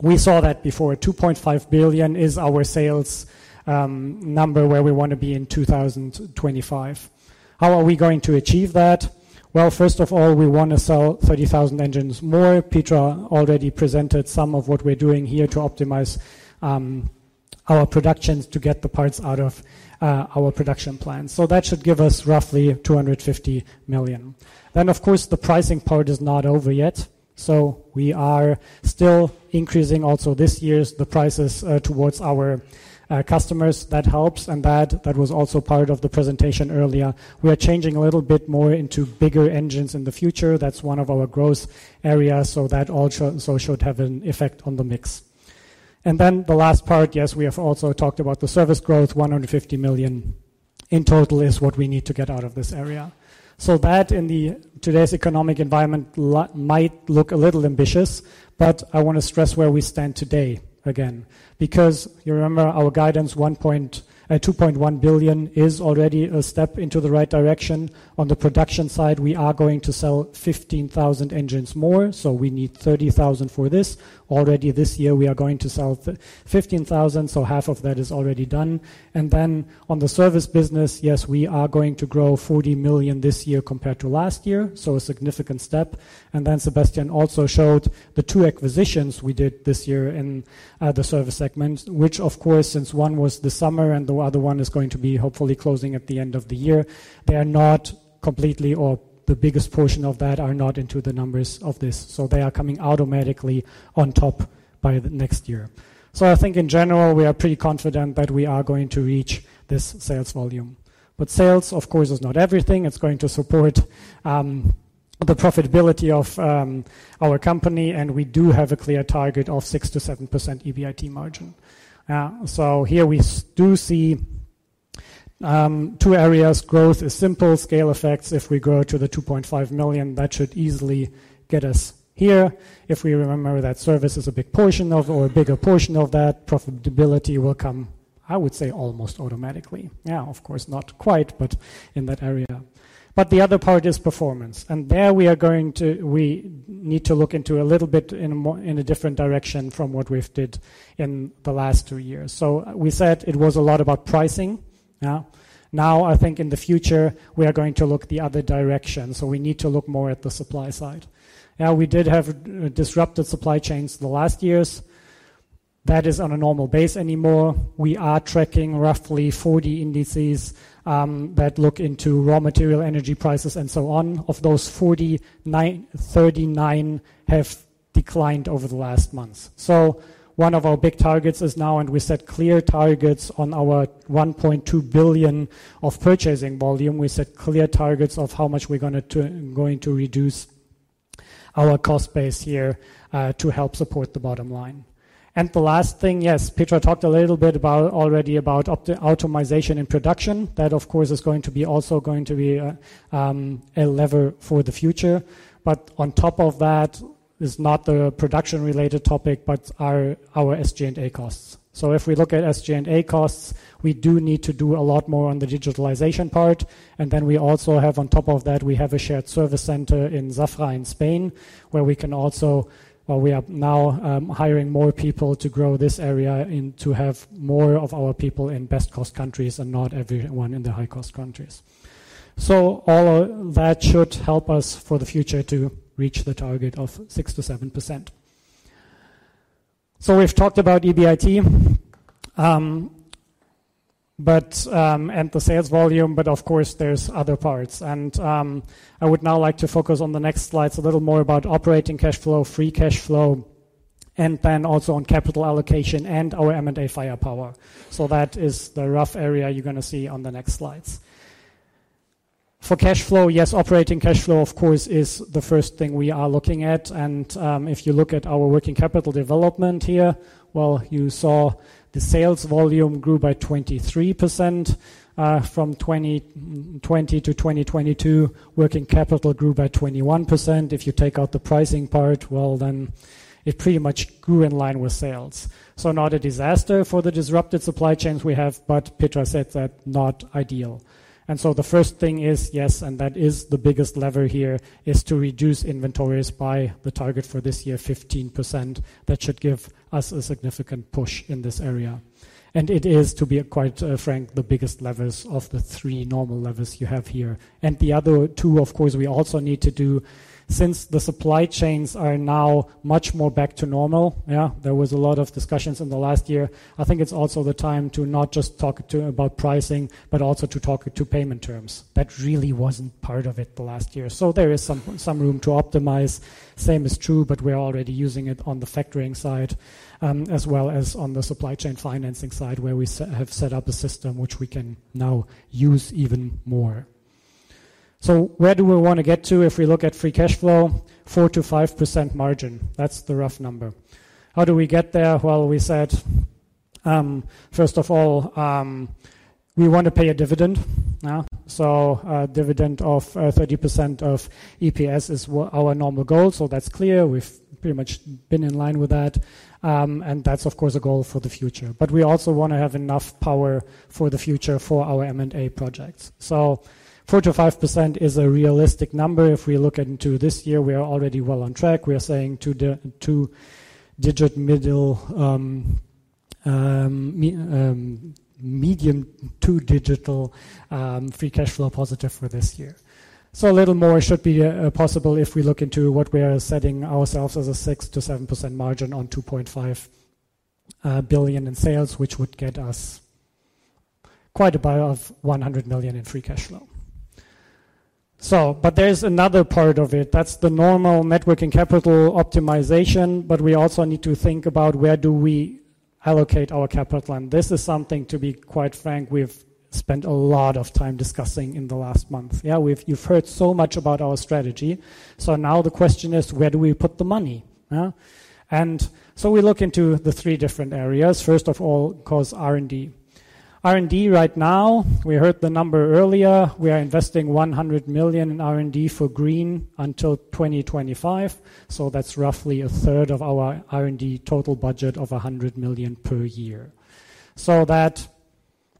We saw that before. 2.5 billion is our sales number, where we want to be in 2025. How are we going to achieve that? Well, first of all, we want to sell 30,000 engines more. Petra already presented some of what we're doing here to optimize our productions to get the parts out of our production plan. So that should give us roughly 250 million. Then, of course, the pricing part is not over yet, so we are still increasing also this year's the prices towards our customers. That helps, and that, that was also part of the presentation earlier. We are changing a little bit more into bigger engines in the future. That's one of our growth areas, so that also, so should have an effect on the mix. And then the last part, yes, we have also talked about the Service growth. 150 million in total is what we need to get out of this area. That in today's economic environment, it might look a little ambitious, but I want to stress where we stand today again, because you remember our guidance. 2.1 billion is already a step in the right direction. On the production side, we are going to sell 15,000 engines more, so we need 30,000 for this. Already this year, we are going to sell 15,000, so half of that is already done. Then on the Service business, yes, we are going to grow 40 million this year compared to last year, so a significant step. Then Sebastian also showed the two acquisitions we did this year in the Service segment, which of course, since one was the summer and the other one is going to be hopefully closing at the end of the year, they are not completely or the biggest portion of that are not into the numbers of this. So they are coming automatically on top by the next year. So I think in general, we are pretty confident that we are going to reach this sales volume. But sales, of course, is not everything. It's going to support the profitability of our company, and we do have a clear target of 6%-7% EBIT margin. So here we do see two areas. Growth is simple. Scale effects, if we grow to the 2.5 million, that should easily get us here. If we remember that Service is a big portion of or a bigger portion of that, profitability will come, I would say, almost automatically. Yeah, of course, not quite, but in that area. But the other part is performance, and there we are going to. We need to look into a little bit in a more, in a different direction from what we've did in the last two years. So we said it was a lot about pricing. Yeah. Now, I think in the future, we are going to look the other direction, so we need to look more at the supply side. Now, we did have disrupted supply chains the last years. That is on a normal basis anymore. We are tracking roughly 40 indices that look into raw material, energy prices, and so on. Of those 40, 39 have declined over the last months. So one of our big targets is now, and we set clear targets on our 1.2 billion of purchasing volume. We set clear targets of how much we're going to reduce our cost base here to help support the bottom line. And the last thing, yes, Petra talked a little bit about already about automation in production. That, of course, is also going to be a lever for the future. But on top of that is not the production-related topic, but our SG&A costs. So if we look at SG&A costs, we do need to do a lot more on the digitalization part, and then we also have on top of that a shared Service center in Zafra, Spain, where we can also... Well, we are now hiring more people to grow this area and to have more of our people in best-cost countries and not everyone in the high-cost countries. So all of that should help us for the future to reach the target of 6%-7%. So we've talked about EBIT, but and the sales volume, but of course, there's other parts. And I would now like to focus on the next slides, a little more about operating cash flow, free cash flow, and then also on capital allocation and our M&A firepower. So that is the rough area you're gonna see on the next slides. For cash flow, yes, operating cash flow, of course, is the first thing we are looking at. If you look at our working capital development here, well, you saw the sales volume grew by 23%, from 2020-2022, working capital grew by 21%. If you take out the pricing part, well, then it pretty much grew in line with sales. So not a disaster for the disrupted supply chains we have, but Petra said that not ideal. And so the first thing is, yes, and that is the biggest lever here, is to reduce inventories by the target for this year, 15%. That should give us a significant push in this area. And it is, to be quite, frank, the biggest levers of the three normal levers you have here. The other two, of course, we also need to do, since the supply chains are now much more back to normal. Yeah, there was a lot of discussions in the last year. I think it's also the time to not just talk to about pricing, but also to talk to payment terms. That really wasn't part of it the last year. So there is some room to optimize. Same is true, but we're already using it on the factoring side, as well as on the supply chain financing side, where we have set up a system which we can now use even more. So where do we want to get to if we look at free cash flow? 4%-5% margin, that's the rough number. How do we get there? Well, we said, first of all, we want to pay a dividend. Yeah. So, dividend of 30% of EPS is our normal goal. So that's clear. We've pretty much been in line with that. And that's, of course, a goal for the future. But we also wanna have enough power for the future for our M&A projects. So 4%-5% is a realistic number. If we look into this year, we are already well on track. We are saying two-digit middle, medium two-digit, free cash flow positive for this year. So a little more should be possible if we look into what we are setting ourselves as a 6%-7% margin on 2.5 billion in sales, which would get us quite a bit of 100 million in free cash flow. So but there is another part of it. That's the normal net working capital optimization, but we also need to think about where do we allocate our capital? And this is something, to be quite frank, we've spent a lot of time discussing in the last month. Yeah, we've, you've heard so much about our strategy. So now the question is: where do we put the money? Yeah. And so we look into the three different areas. First of all, of course, R&D. R&D right now, we heard the number earlier, we are investing 100 million in R&D for green until 2025. So that's roughly a third of our R&D total budget of 100 million per year. So that,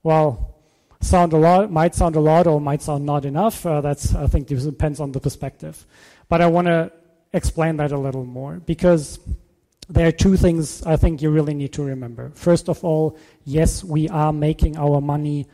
well, sound a lot, might sound a lot or might sound not enough, that's, I think, depends on the perspective. But I wanna explain that a little more because there are two things I think you really need to remember. First of all, yes, we are making our money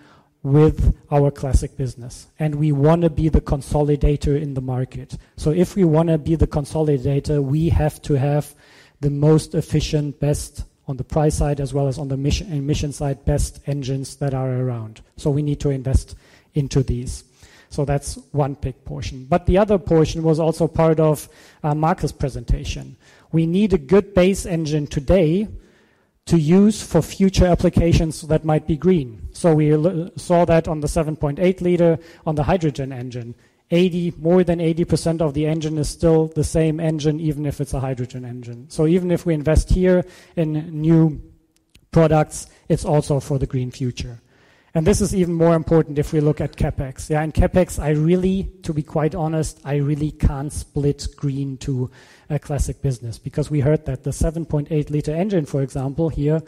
with our Classic business, and we want to be the consolidator in the market. So if we wanna be the consolidator, we have to have the most efficient, best on the price side, as well as on the emission side, best engines that are around. So we need to invest into these. So that's one big portion. But the other portion was also part of Markus' presentation. We need a good base engine today to use for future applications that might be green. So we saw that on the 7.8-liter on the hydrogen engine. More than 80% of the engine is still the same engine, even if it's a hydrogen engine. So even if we invest here in new products, it's also for the green future. And this is even more important if we look at CapEx. Yeah, in CapEx, I really, to be quite honest, I really can't split green to a Classic business, because we heard that the 7.8-liter engine, for example, here,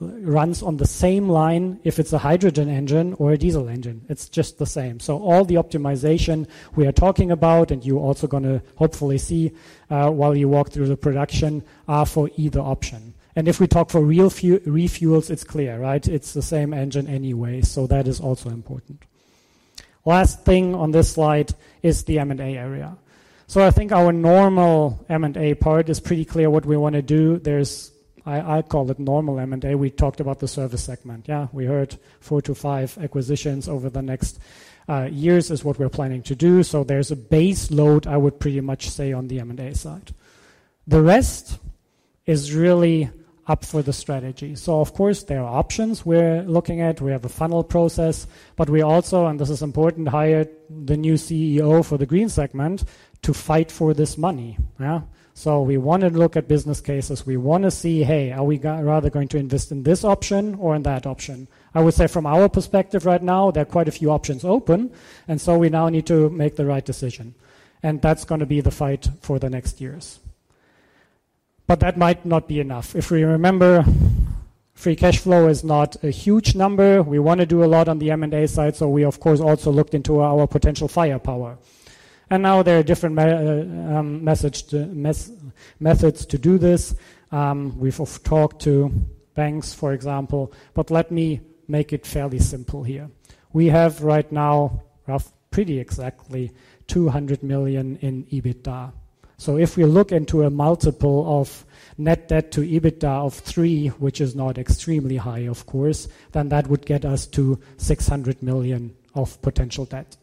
runs on the same line, if it's a hydrogen engine or a diesel engine. It's just the same. So all the optimization we are talking about, and you're also gonna hopefully see, while you walk through the production, are for either option. And if we talk for real refuels, it's clear, right? It's the same engine anyway, so that is also important. Last thing on this slide is the M&A area. So I think our normal M&A part is pretty clear what we want to do. I call it normal M&A. We talked about the Service segment. Yeah, we heard 4-5 acquisitions over the next years is what we're planning to do. So there's a base load, I would pretty much say, on the M&A side. The rest is really up for the strategy. So of course, there are options we're looking at. We have a funnel process, but we also, and this is important, hired the new CEO for the green segment to fight for this money. Yeah? So we want to look at business cases. We want to see, hey, are we rather going to invest in this option or in that option? I would say from our perspective right now, there are quite a few options open, and so we now need to make the right decision, and that's gonna be the fight for the next years. But that might not be enough. If we remember, free cash flow is not a huge number. We want to do a lot on the M&A side, so we, of course, also looked into our potential firepower. Now there are different methods to do this. We've talked to banks, for example, but let me make it fairly simple here. We have right now pretty exactly 200 million in EBITDA. So if we look into a multiple of net debt to EBITDA of 3x, which is not extremely high, of course, then that would get us to 600 million of potential debt.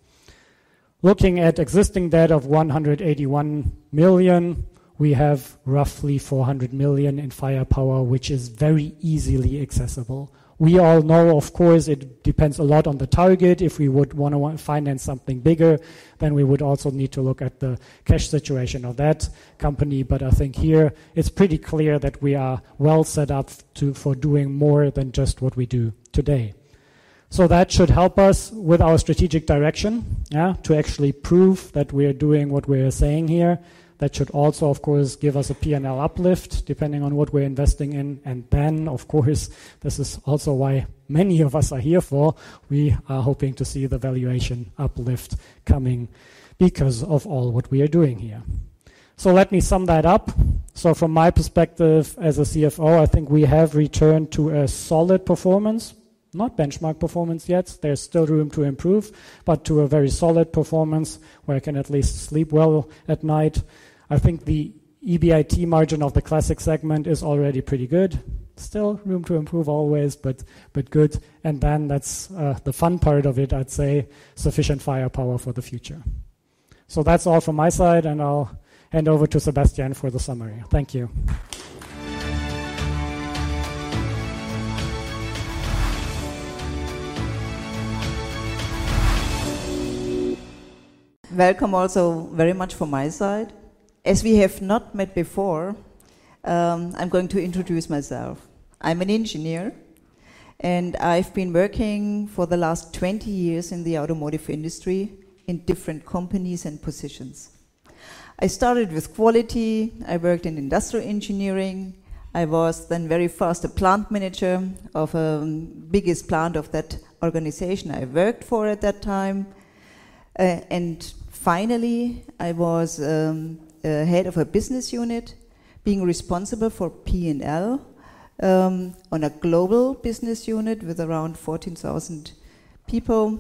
Looking at existing debt of 181 million, we have roughly 400 million in firepower, which is very easily accessible. We all know, of course, it depends a lot on the target. If we would wanna finance something bigger, then we would also need to look at the cash situation of that company. But I think here it's pretty clear that we are well set up to for doing more than just what we do today. So that should help us with our strategic direction, yeah, to actually prove that we are doing what we are saying here. That should also, of course, give us a P&L uplift, depending on what we're investing in. And then, of course, this is also why many of us are here for, we are hoping to see the valuation uplift coming because of all what we are doing here. So let me sum that up. So from my perspective as a CFO, I think we have returned to a solid performance, not benchmark performance yet. There's still room to improve, but to a very solid performance where I can at least sleep well at night. I think the EBIT margin of the Classic segment is already pretty good. Still room to improve always, but, but good. And then that's, the fun part of it, I'd say, sufficient firepower for the future. So that's all from my side, and I'll hand over to Sebastian for the summary. Thank you. Welcome also very much from my side. As we have not met before, I'm going to introduce myself. I'm an engineer, and I've been working for the last 20 years in the automotive industry in different companies and positions. I started with quality. I worked in industrial engineering. I was then very fast a plant manager of biggest plant of that organization I worked for at that time. And finally, I was a head of a business unit, being responsible for P&L on a global business unit with around 14,000 people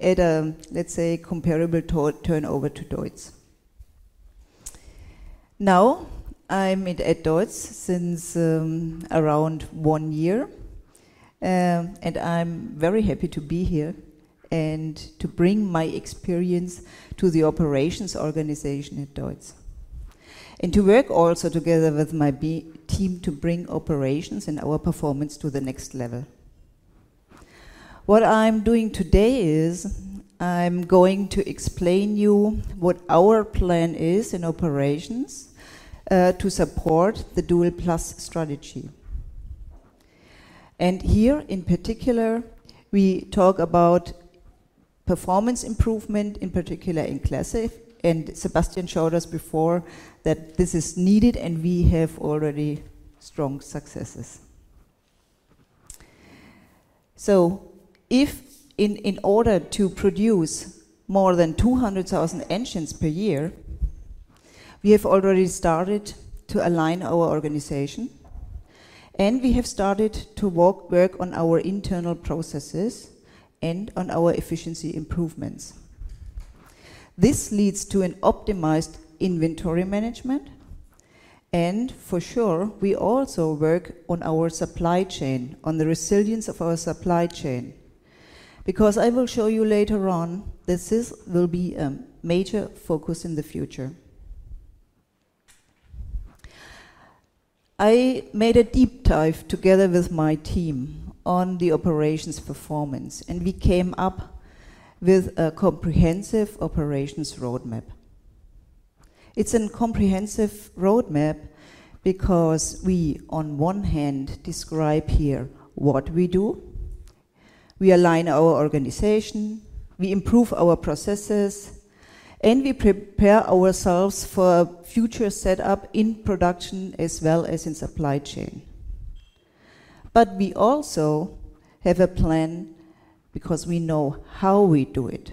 at a, let's say, comparable to turnover to DEUTZ. Now, I'm at DEUTZ since around one year, and I'm very happy to be here and to bring my experience to the operations organization at DEUTZ, and to work also together with my team to bring operations and our performance to the next level. What I'm doing today is, I'm going to explain you what our plan is in operations to support the Dual+ strategy. Here in particular, we talk about performance improvement, in particular in Classic, and Sebastian showed us before that this is needed, and we have already strong successes. In order to produce more than 200,000 engines per year, we have already started to align our organization, and we have started to work on our internal processes and on our efficiency improvements. This leads to an optimized inventory management, and for sure, we also work on our supply chain, on the resilience of our supply chain, because I will show you later on, will be a major focus in the future. I made a deep dive together with my team on the operations performance, and we came up with a comprehensive operations roadmap. It's a comprehensive roadmap because we, on one hand, describe here what we do. We align our organization, we improve our processes, and we prepare ourselves for a future set-up in production as well as in supply chain. But we also have a plan because we know how we do it.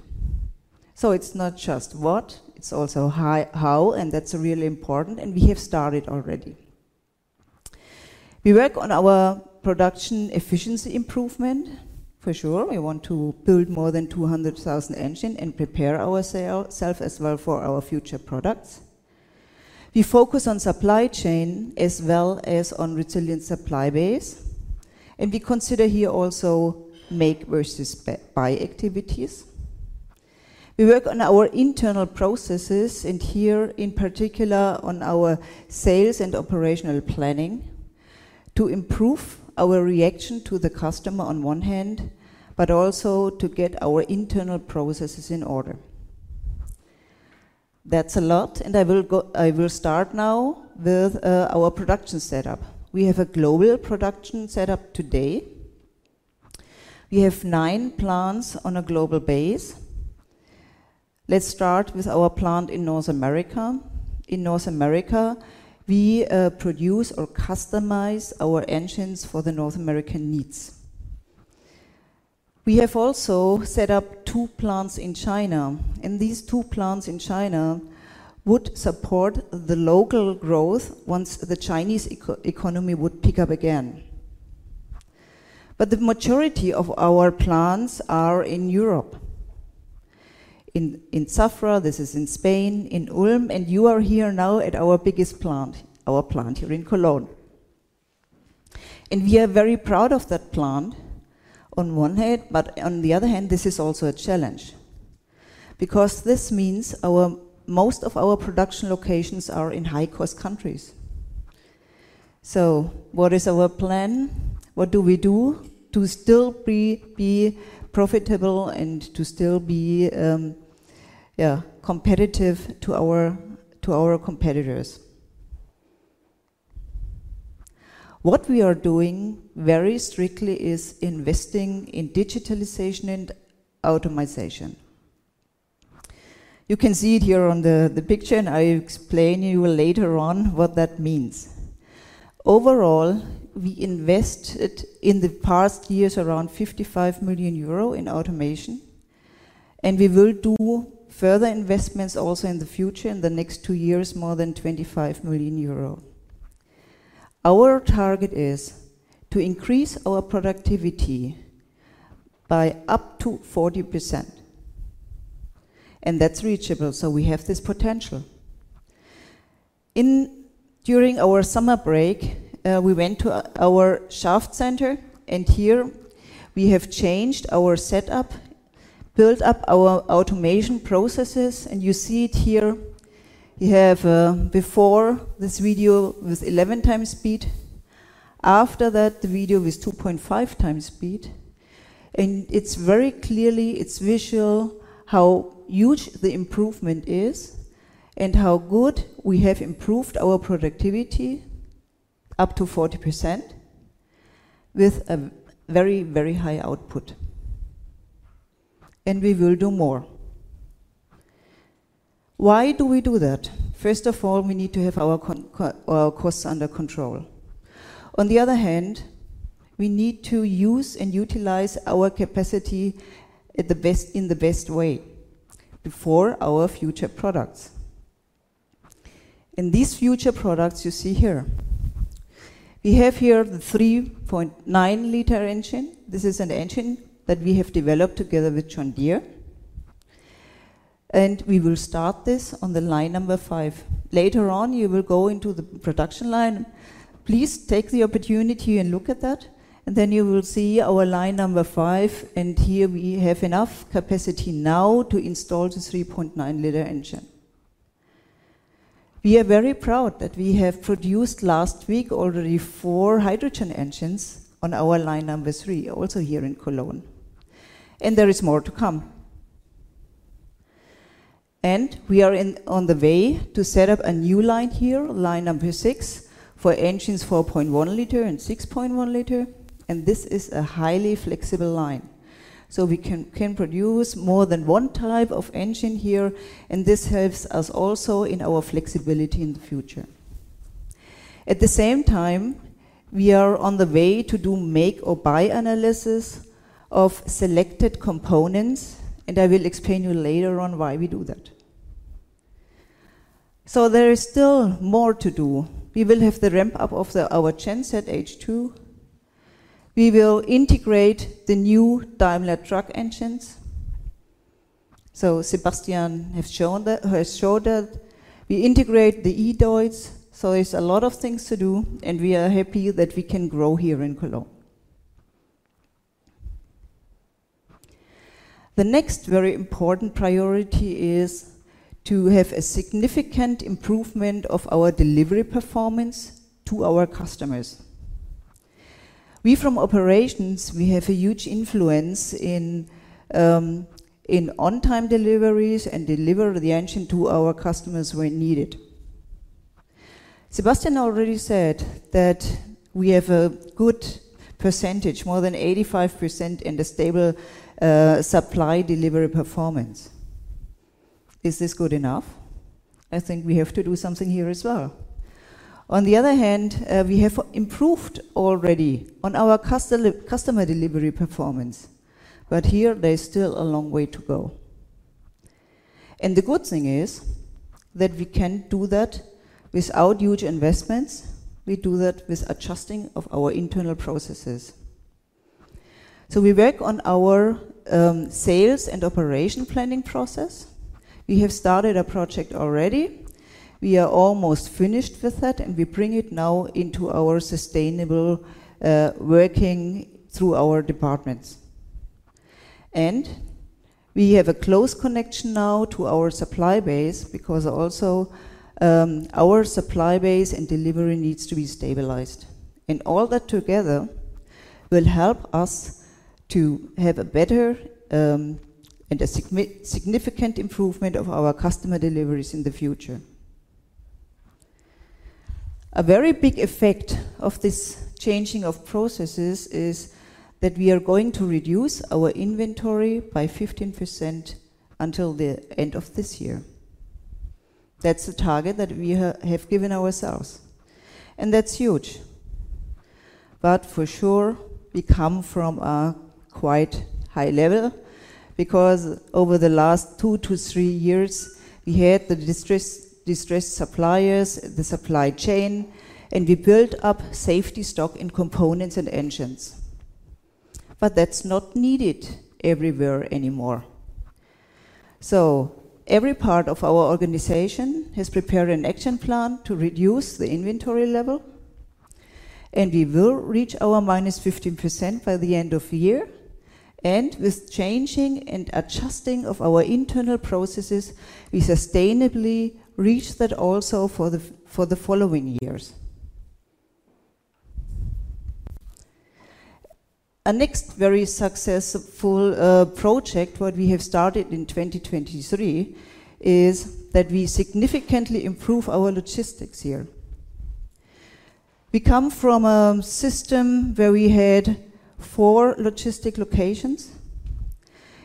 So it's not just what, it's also how, how, and that's really important, and we have started already. We work on our production efficiency improvement. For sure, we want to build more than 200,000 engines and prepare ourselves as well for our future products. We focus on supply chain as well as on resilient supply base, and we consider here also make versus buy activities. We work on our internal processes, and here, in particular, on our sales and operational planning, to improve our reaction to the customer on one hand, but also to get our internal processes in order. That's a lot, and I will start now with our production setup. We have a global production setup today. We have nine plants on a global base. Let's start with our plant in North America. In North America, we produce or customize our engines for the North American needs. We have also set up two plants in China, and these two plants in China would support the local growth once the Chinese economy would pick up again. The majority of our plants are in Europe. In Zafra, this is in Spain, in Ulm, and you are here now at our biggest plant, our plant here in Cologne. We are very proud of that plant on one hand, but on the other hand, this is also a challenge, because this means most of our production locations are in high-cost countries. What is our plan? What do we do to still be profitable and to still be competitive to our competitors? What we are doing very strictly is investing in digitization and automation. You can see it here on the picture, and I explain you later on what that means. Overall, we invested in the past years around 55 million euro in automation, and we will do further investments also in the future, in the next two years, more than 25 million euro. Our target is to increase our productivity by up to 40%, and that's reachable, so we have this potential. During our summer break, we went to our shaft center, and here we have changed our setup, built up our automation processes, and you see it here. We have before this video with 11x speed. After that, the video is 2.5x speed, and it's very clearly, it's visual, how huge the improvement is and how good we have improved our productivity up to 40% with a very, very high output. We will do more. Why do we do that? First of all, we need to have our costs under control. On the other hand, we need to use and utilize our capacity in the best way before our future products. These future products you see here. We have here the 3.9 liter engine. This is an engine that we have developed together with John Deere, and we will start this on the line number five. Later on, you will go into the production line. Please take the opportunity and look at that, and then you will see our line number five, and here we have enough capacity now to install the 3.9 liter engine. We are very proud that we have produced last week already four hydrogen engines on our line number three, also here in Cologne, and there is more to come. We are on the way to set up a new line here, line number six, for engines 4.1-liter and 6.1-liter, and this is a highly flexible line. So we can produce more than one type of engine here, and this helps us also in our flexibility in the future. At the same time, we are on the way to do make or buy analysis of selected components, and I will explain you later on why we do that. So there is still more to do. We will have the ramp up of our genset H2. We will integrate the new Daimler Truck engines. So Sebastian has shown that. We integrate the eDoTs, so there's a lot of things to do, and we are happy that we can grow here in Cologne. The next very important priority is to have a significant improvement of our delivery performance to our customers. We from operations, we have a huge influence in on-time deliveries and deliver the engine to our customers when needed. Sebastian already said that we have a good percentage, more than 85%, in the stable supply delivery performance. Is this good enough? I think we have to do something here as well. On the other hand, we have improved already on our customer delivery performance, but here there is still a long way to go. And the good thing is, that we can do that without huge investments. We do that with adjusting of our internal processes. So we work on our sales and operation planning process. We have started a project already. We are almost finished with that, and we bring it now into our sustainable working through our departments. We have a close connection now to our supply base, because also, our supply base and delivery needs to be stabilized. All that together will help us to have a better and a significant improvement of our customer deliveries in the future. A very big effect of this changing of processes is that we are going to reduce our inventory by 15% until the end of this year. That's the target that we have given ourselves, and that's huge. But for sure, we come from a quite high level, because over the last 2-3 years, we had the distressed suppliers, the supply chain, and we built up safety stock in components and engines. But that's not needed everywhere anymore. So every part of our organization has prepared an action plan to reduce the inventory level, and we will reach our minus 15% by the end of year. With changing and adjusting of our internal processes, we sustainably reach that also for the following years. A next very successful project, what we have started in 2023, is that we significantly improve our logistics here. We come from a system where we had 4 logistics locations,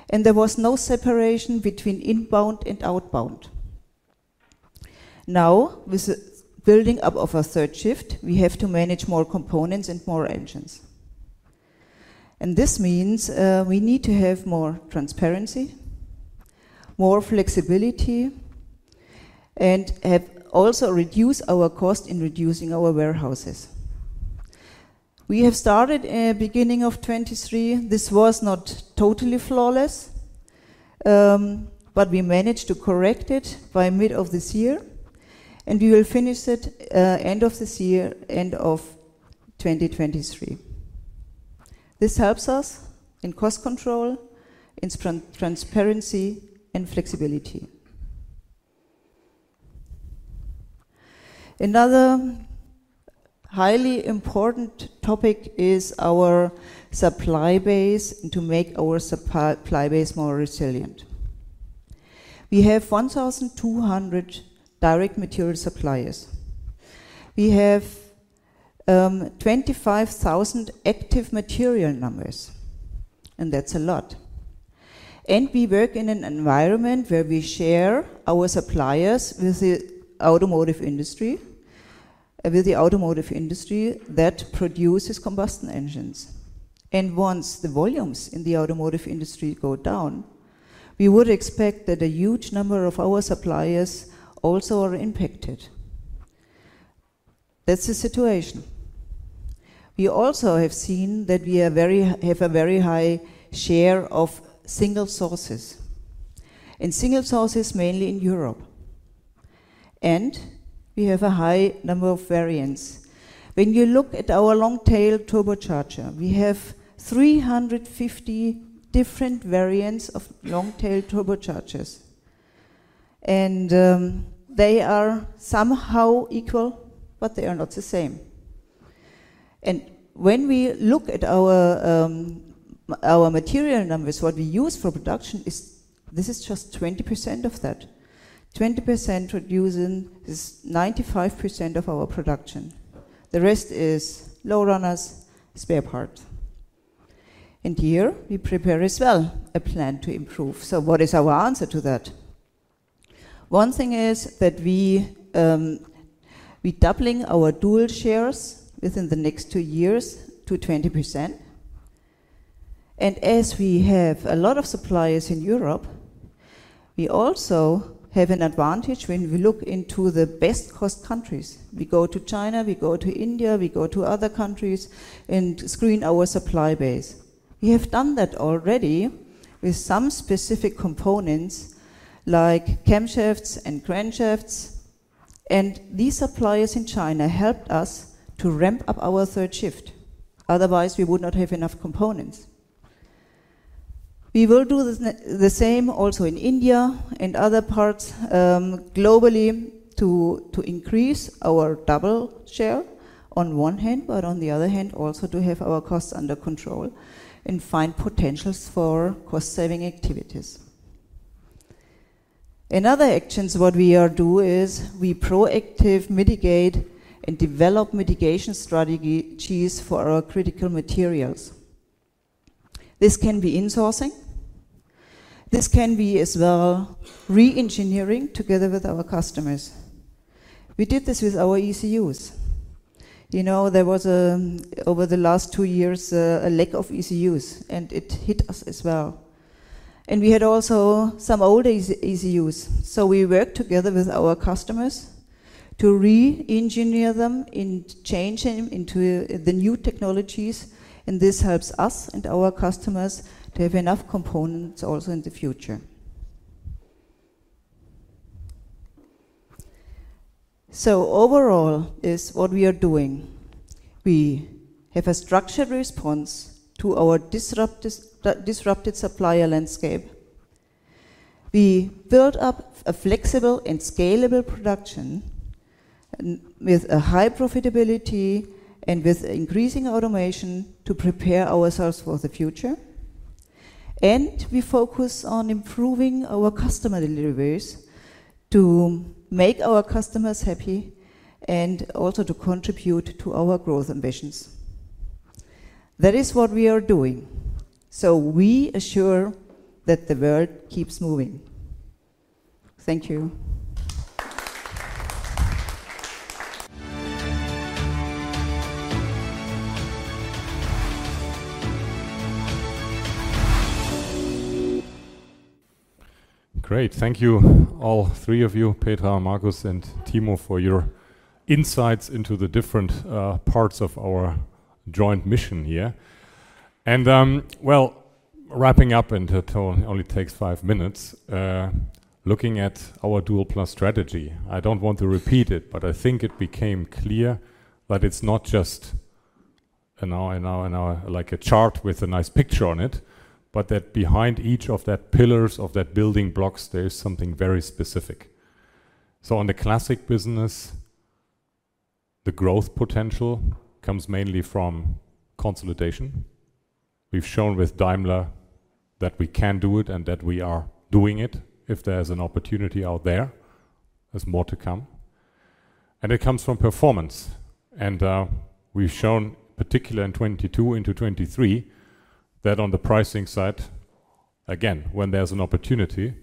and there was no separation between inbound and outbound. Now, with the building up of a third shift, we have to manage more components and more engines. This means we need to have more transparency, more flexibility, and have also reduce our cost in reducing our warehouses. We have started beginning of 2023. This was not totally flawless, but we managed to correct it by mid of this year, and we will finish it end of this year, end of 2023. This helps us in cost control, in transparency, and flexibility. Another highly important topic is our supply base, and to make our supply base more resilient. We have 1,200 direct material suppliers. We have 25,000 active material numbers, and that's a lot. We work in an environment where we share our suppliers with the automotive industry, with the automotive industry that produces combustion engines. Once the volumes in the automotive industry go down, we would expect that a huge number of our suppliers also are impacted. That's the situation. We also have seen that we have a very high share of single sources, and single sources mainly in Europe, and we have a high number of variants. When you look at our long-tail turbocharger, we have 350 different variants of long-tail turbochargers, and they are somehow equal, but they are not the same. And when we look at our material numbers, what we use for production is. This is just 20% of that. 20% producing is 95% of our production. The rest is low runners, spare parts. And here, we prepare as well a plan to improve. So what is our answer to that? One thing is that we, we doubling our dual shares within the next two years to 20%. And as we have a lot of suppliers in Europe, we also have an advantage when we look into the best cost countries. We go to China, we go to India, we go to other countries, and screen our supply base. We have done that already with some specific components like camshafts and crankshafts, and these suppliers in China helped us to ramp up our third shift. Otherwise, we would not have enough components. We will do the same also in India and other parts, globally, to increase our double share on one hand, but on the other hand, also to have our costs under control and find potentials for cost-saving activities. In other actions, what we are doing is we proactively mitigate and develop mitigation strategies for our critical materials. This can be insourcing, this can be as well re-engineering together with our customers. We did this with our ECUs. You know, there was over the last two years a lack of ECUs, and it hit us as well. And we had also some old ECUs, so we worked together with our customers to re-engineer them and change them into the new technologies, and this helps us and our customers to have enough components also in the future. So overall, what we are doing, we have a structured response to our disrupted supplier landscape. We build up a flexible and scalable production with a high profitability and with increasing automation to prepare ourselves for the future. We focus on improving our customer deliveries to make our customers happy and also to contribute to our growth ambitions. That is what we are doing, so we assure that the world keeps moving. Thank you. Great. Thank you, all three of you, Petra, Markus, and Timo, for your insights into the different parts of our joint mission here. Well, wrapping up, and it only takes five minutes, looking at our Dual+ strategy, I don't want to repeat it, but I think it became clear that it's not just our, our, our, like a chart with a nice picture on it, but that behind each of that pillars, of that building blocks, there is something very specific. So on the Classic business, the growth potential comes mainly from consolidation. We've shown with Daimler that we can do it and that we are doing it if there's an opportunity out there. There's more to come. It comes from performance, and we've shown, particularly in 2022 into 2023, that on the pricing side, again, when there's an opportunity,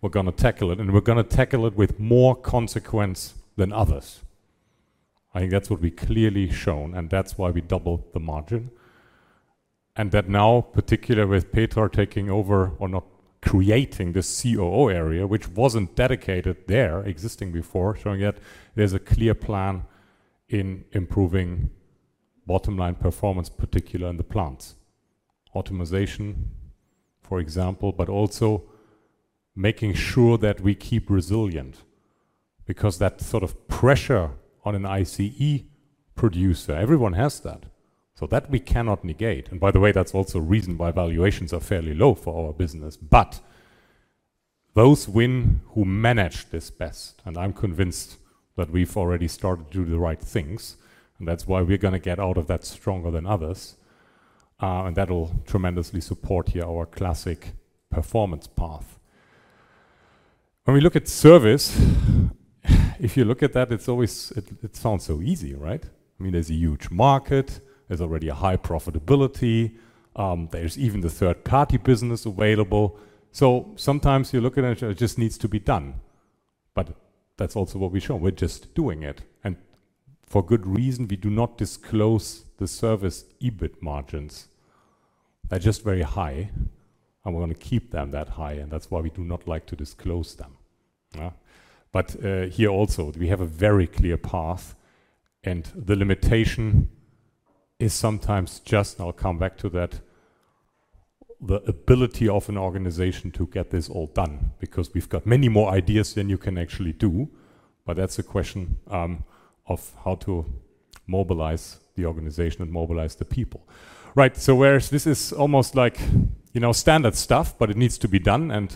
we're gonna tackle it, and we're gonna tackle it with more consequence than others. I think that's what we've clearly shown, and that's why we doubled the margin. And that now, particularly with Petra taking over or not, creating the COO area, which wasn't dedicated there, existing before, showing that there's a clear plan in improving bottom line performance, particularly in the plants. Automation, for example, but also making sure that we keep resilient because that sort of pressure on an ICE producer, everyone has that. So that we cannot negate, and by the way, that's also a reason why valuations are fairly low for our business. But those win who manage this best, and I'm convinced that we've already started to do the right things, and that's why we're gonna get out of that stronger than others. And that'll tremendously support here our Classic performance path. When we look at Service, if you look at that, it's always. It sounds so easy, right? I mean, there's a huge market, there's already a high profitability, there's even the third-party business available. So sometimes you look at it, and it just needs to be done. But that's also what we've shown. We're just doing it, and for good reason, we do not disclose the Service EBIT margins. They're just very high, and we're going to keep them that high, and that's why we do not like to disclose them. But here also, we have a very clear path, and the limitation is sometimes just, and I'll come back to that, the ability of an organization to get this all done, because we've got many more ideas than you can actually do, but that's a question of how to mobilize the organization and mobilize the people. Right, so whereas this is almost like, you know, standard stuff, but it needs to be done, and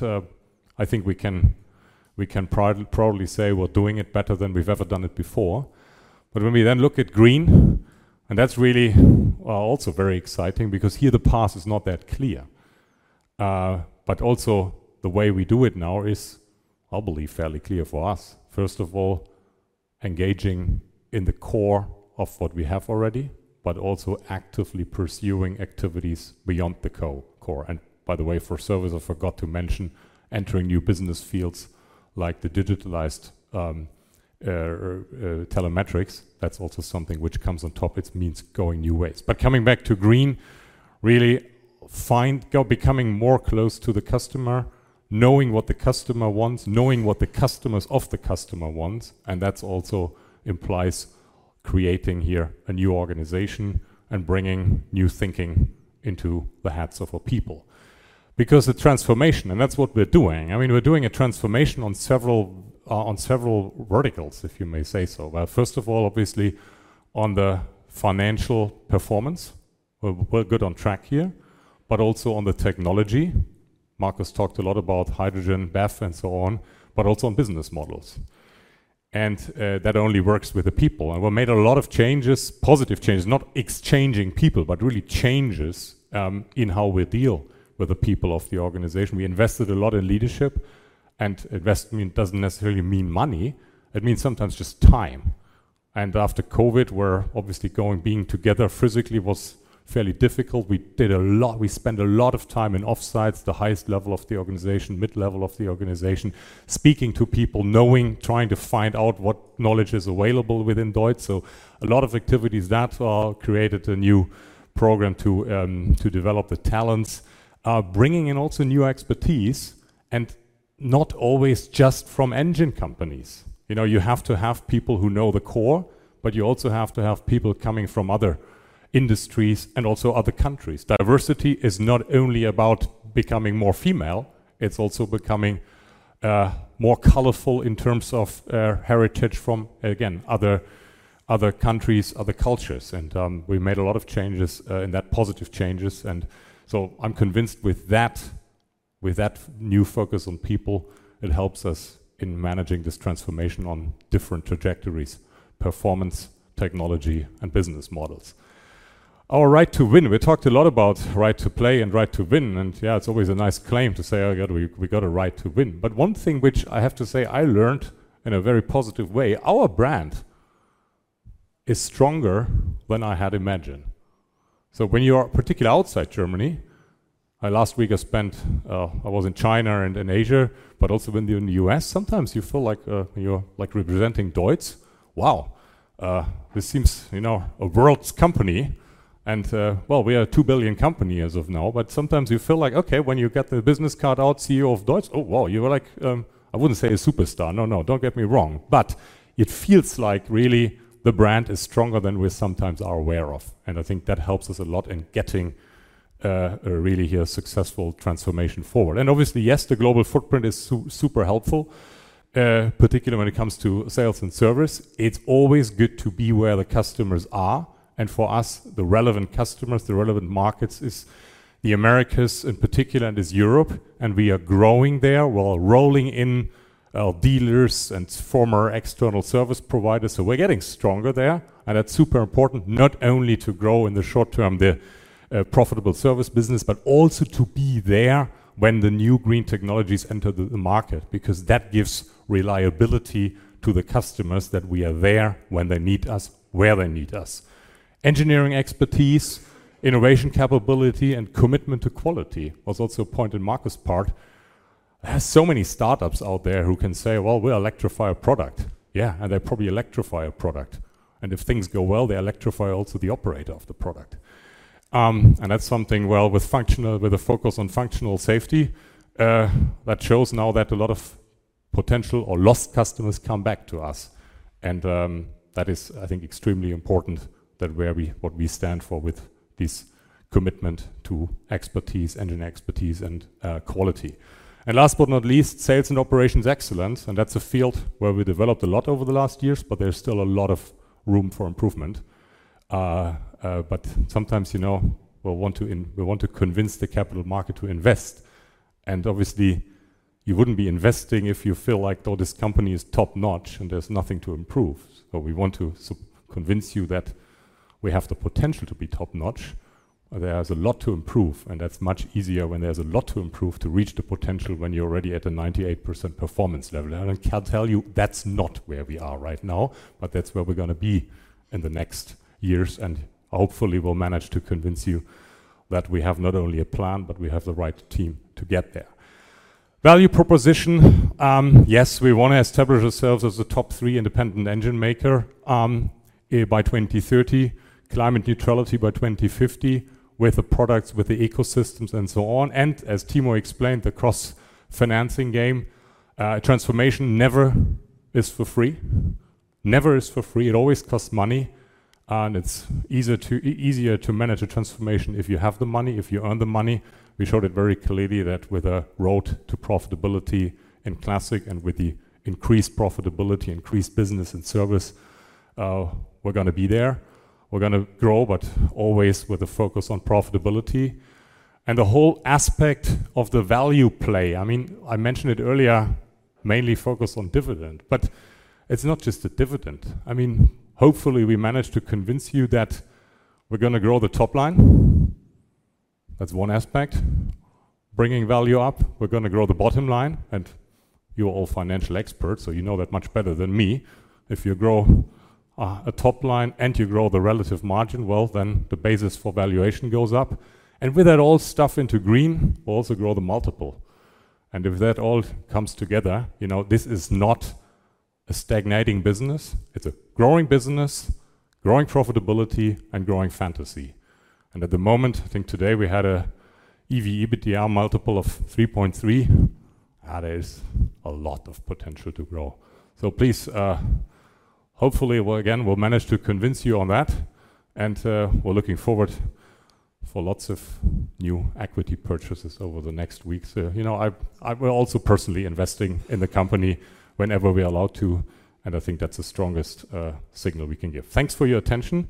I think we can probably say we're doing it better than we've ever done it before. But when we then look at green, and that's really also very exciting because here the path is not that clear. But also the way we do it now is, I believe, fairly clear for us. First of all, engaging in the core of what we have already, but also actively pursuing activities beyond the core. And by the way, for Service, I forgot to mention entering new business fields like the digitalized telemetrics. That's also something which comes on top. It means going new ways. But coming back to green, really becoming more close to the customer, knowing what the customer wants, knowing what the customers of the customer wants, and that's also implies creating here a new organization and bringing new thinking into the heads of our people. Because the transformation, and that's what we're doing, I mean, we're doing a transformation on several verticals, if you may say so. Well, first of all, obviously, on the financial performance, we're good on track here, but also on the technology. Markus talked a lot about hydrogen, BEV, and so on, but also on business models. And that only works with the people. And we made a lot of changes, positive changes, not exchanging people, but really changes in how we deal with the people of the organization. We invested a lot in leadership, and investment doesn't necessarily mean money; it means sometimes just time. And after COVID, we're obviously going; being together physically was fairly difficult. We did a lot- we spent a lot of time in offsites, the highest level of the organization, mid-level of the organization, speaking to people, knowing, trying to find out what knowledge is available within DEUTZ. So a lot of activities that created a new program to develop the talents. Bringing in also new expertise, and not always just from engine companies. You know, you have to have people who know the core, but you also have to have people coming from other industries and also other countries. Diversity is not only about becoming more female, it's also becoming more colorful in terms of heritage from, again, other, other countries, other cultures. And we made a lot of changes in that, positive changes. And so I'm convinced with that, with that new focus on people, it helps us in managing this transformation on different trajectories: performance, technology, and business models. Our right to win. We talked a lot about right to play and right to win, and yeah, it's always a nice claim to say, "Oh, yeah, we, we got a right to win." But one thing which I have to say I learned in a very positive way, our brand is stronger than I had imagined. So when you are, particularly outside Germany. Last week, I spent, I was in China and in Asia, but also when you're in the U.S., sometimes you feel like, you're like representing DEUTZ. Wow! This seems, you know, a world's company, and, well, we are a 2 billion company as of now, but sometimes you feel like, okay, when you get the business card out, CEO of DEUTZ, oh, wow, you are like, I wouldn't say a superstar. No, no, don't get me wrong, but it feels like really the brand is stronger than we sometimes are aware of, and I think that helps us a lot in getting, a really, successful transformation forward. And obviously, yes, the global footprint is super helpful, particularly when it comes to sales and service. It's always good to be where the customers are, and for us, the relevant customers, the relevant markets, is the Americas in particular, and is Europe, and we are growing there. We're rolling in dealers and former external service providers, so we're getting stronger there. That's super important, not only to grow in the short term, profitable Service business, but also to be there when the new green technologies enter the market, because that gives reliability to the customers that we are there when they need us, where they need us. Engineering expertise, innovation capability, and commitment to quality was also a point in Markus' part. There are so many startups out there who can say, "Well, we electrify a product." Yeah, and they probably electrify a product, and if things go well, they electrify also the operator of the product. That's something, well, with a focus on functional safety, that shows now that a lot of potential or lost customers come back to us. And that is, I think, extremely important, that what we stand for with this commitment to expertise, engine expertise, and quality. And last but not least, sales and operations excellence, and that's a field where we developed a lot over the last years, but there's still a lot of room for improvement. But sometimes, you know, we want to convince the capital market to invest, and obviously, you wouldn't be investing if you feel like, oh, this company is top-notch and there's nothing to improve. So we want to convince you that we have the potential to be top-notch. There's a lot to improve, and that's much easier when there's a lot to improve to reach the potential when you're already at a 98% performance level. I can tell you, that's not where we are right now, but that's where we're gonna be in the next years, and hopefully, we'll manage to convince you that we have not only a plan, but we have the right team to get there. Value proposition. Yes, we want to establish ourselves as a top three independent engine maker, by 2030, climate neutrality by 2050, with the products, with the ecosystems, and so on. And as Timo explained, the cross-financing game, transformation never is for free. Never is for free. It always costs money, and it's easier to manage a transformation if you have the money, if you earn the money. We showed it very clearly that with a road to profitability in Classic and with the increased profitability, increased business and Service, we're gonna be there. We're gonna grow, but always with a focus on profitability. And the whole aspect of the value play, I mean, I mentioned it earlier, mainly focus on dividend, but it's not just the dividend. I mean, hopefully, we managed to convince you that we're gonna grow the top line. That's one aspect. Bringing value up, we're gonna grow the bottom line, and you're all financial experts, so you know that much better than me. If you grow, a top line and you grow the relative margin, well, then the basis for valuation goes up. And with that, all stuff into green, we also grow the multiple. And if that all comes together, you know, this is not a stagnating business, it's a growing business, growing profitability, and growing fantasy. And at the moment, I think today we had an EV/EBITDA multiple of 3.3. That is a lot of potential to grow. So please, hopefully, we'll again, we'll manage to convince you on that, and, we're looking forward for lots of new equity purchases over the next weeks. You know, I will also personally investing in the company whenever we are allowed to, and I think that's the strongest signal we can give. Thanks for your attention.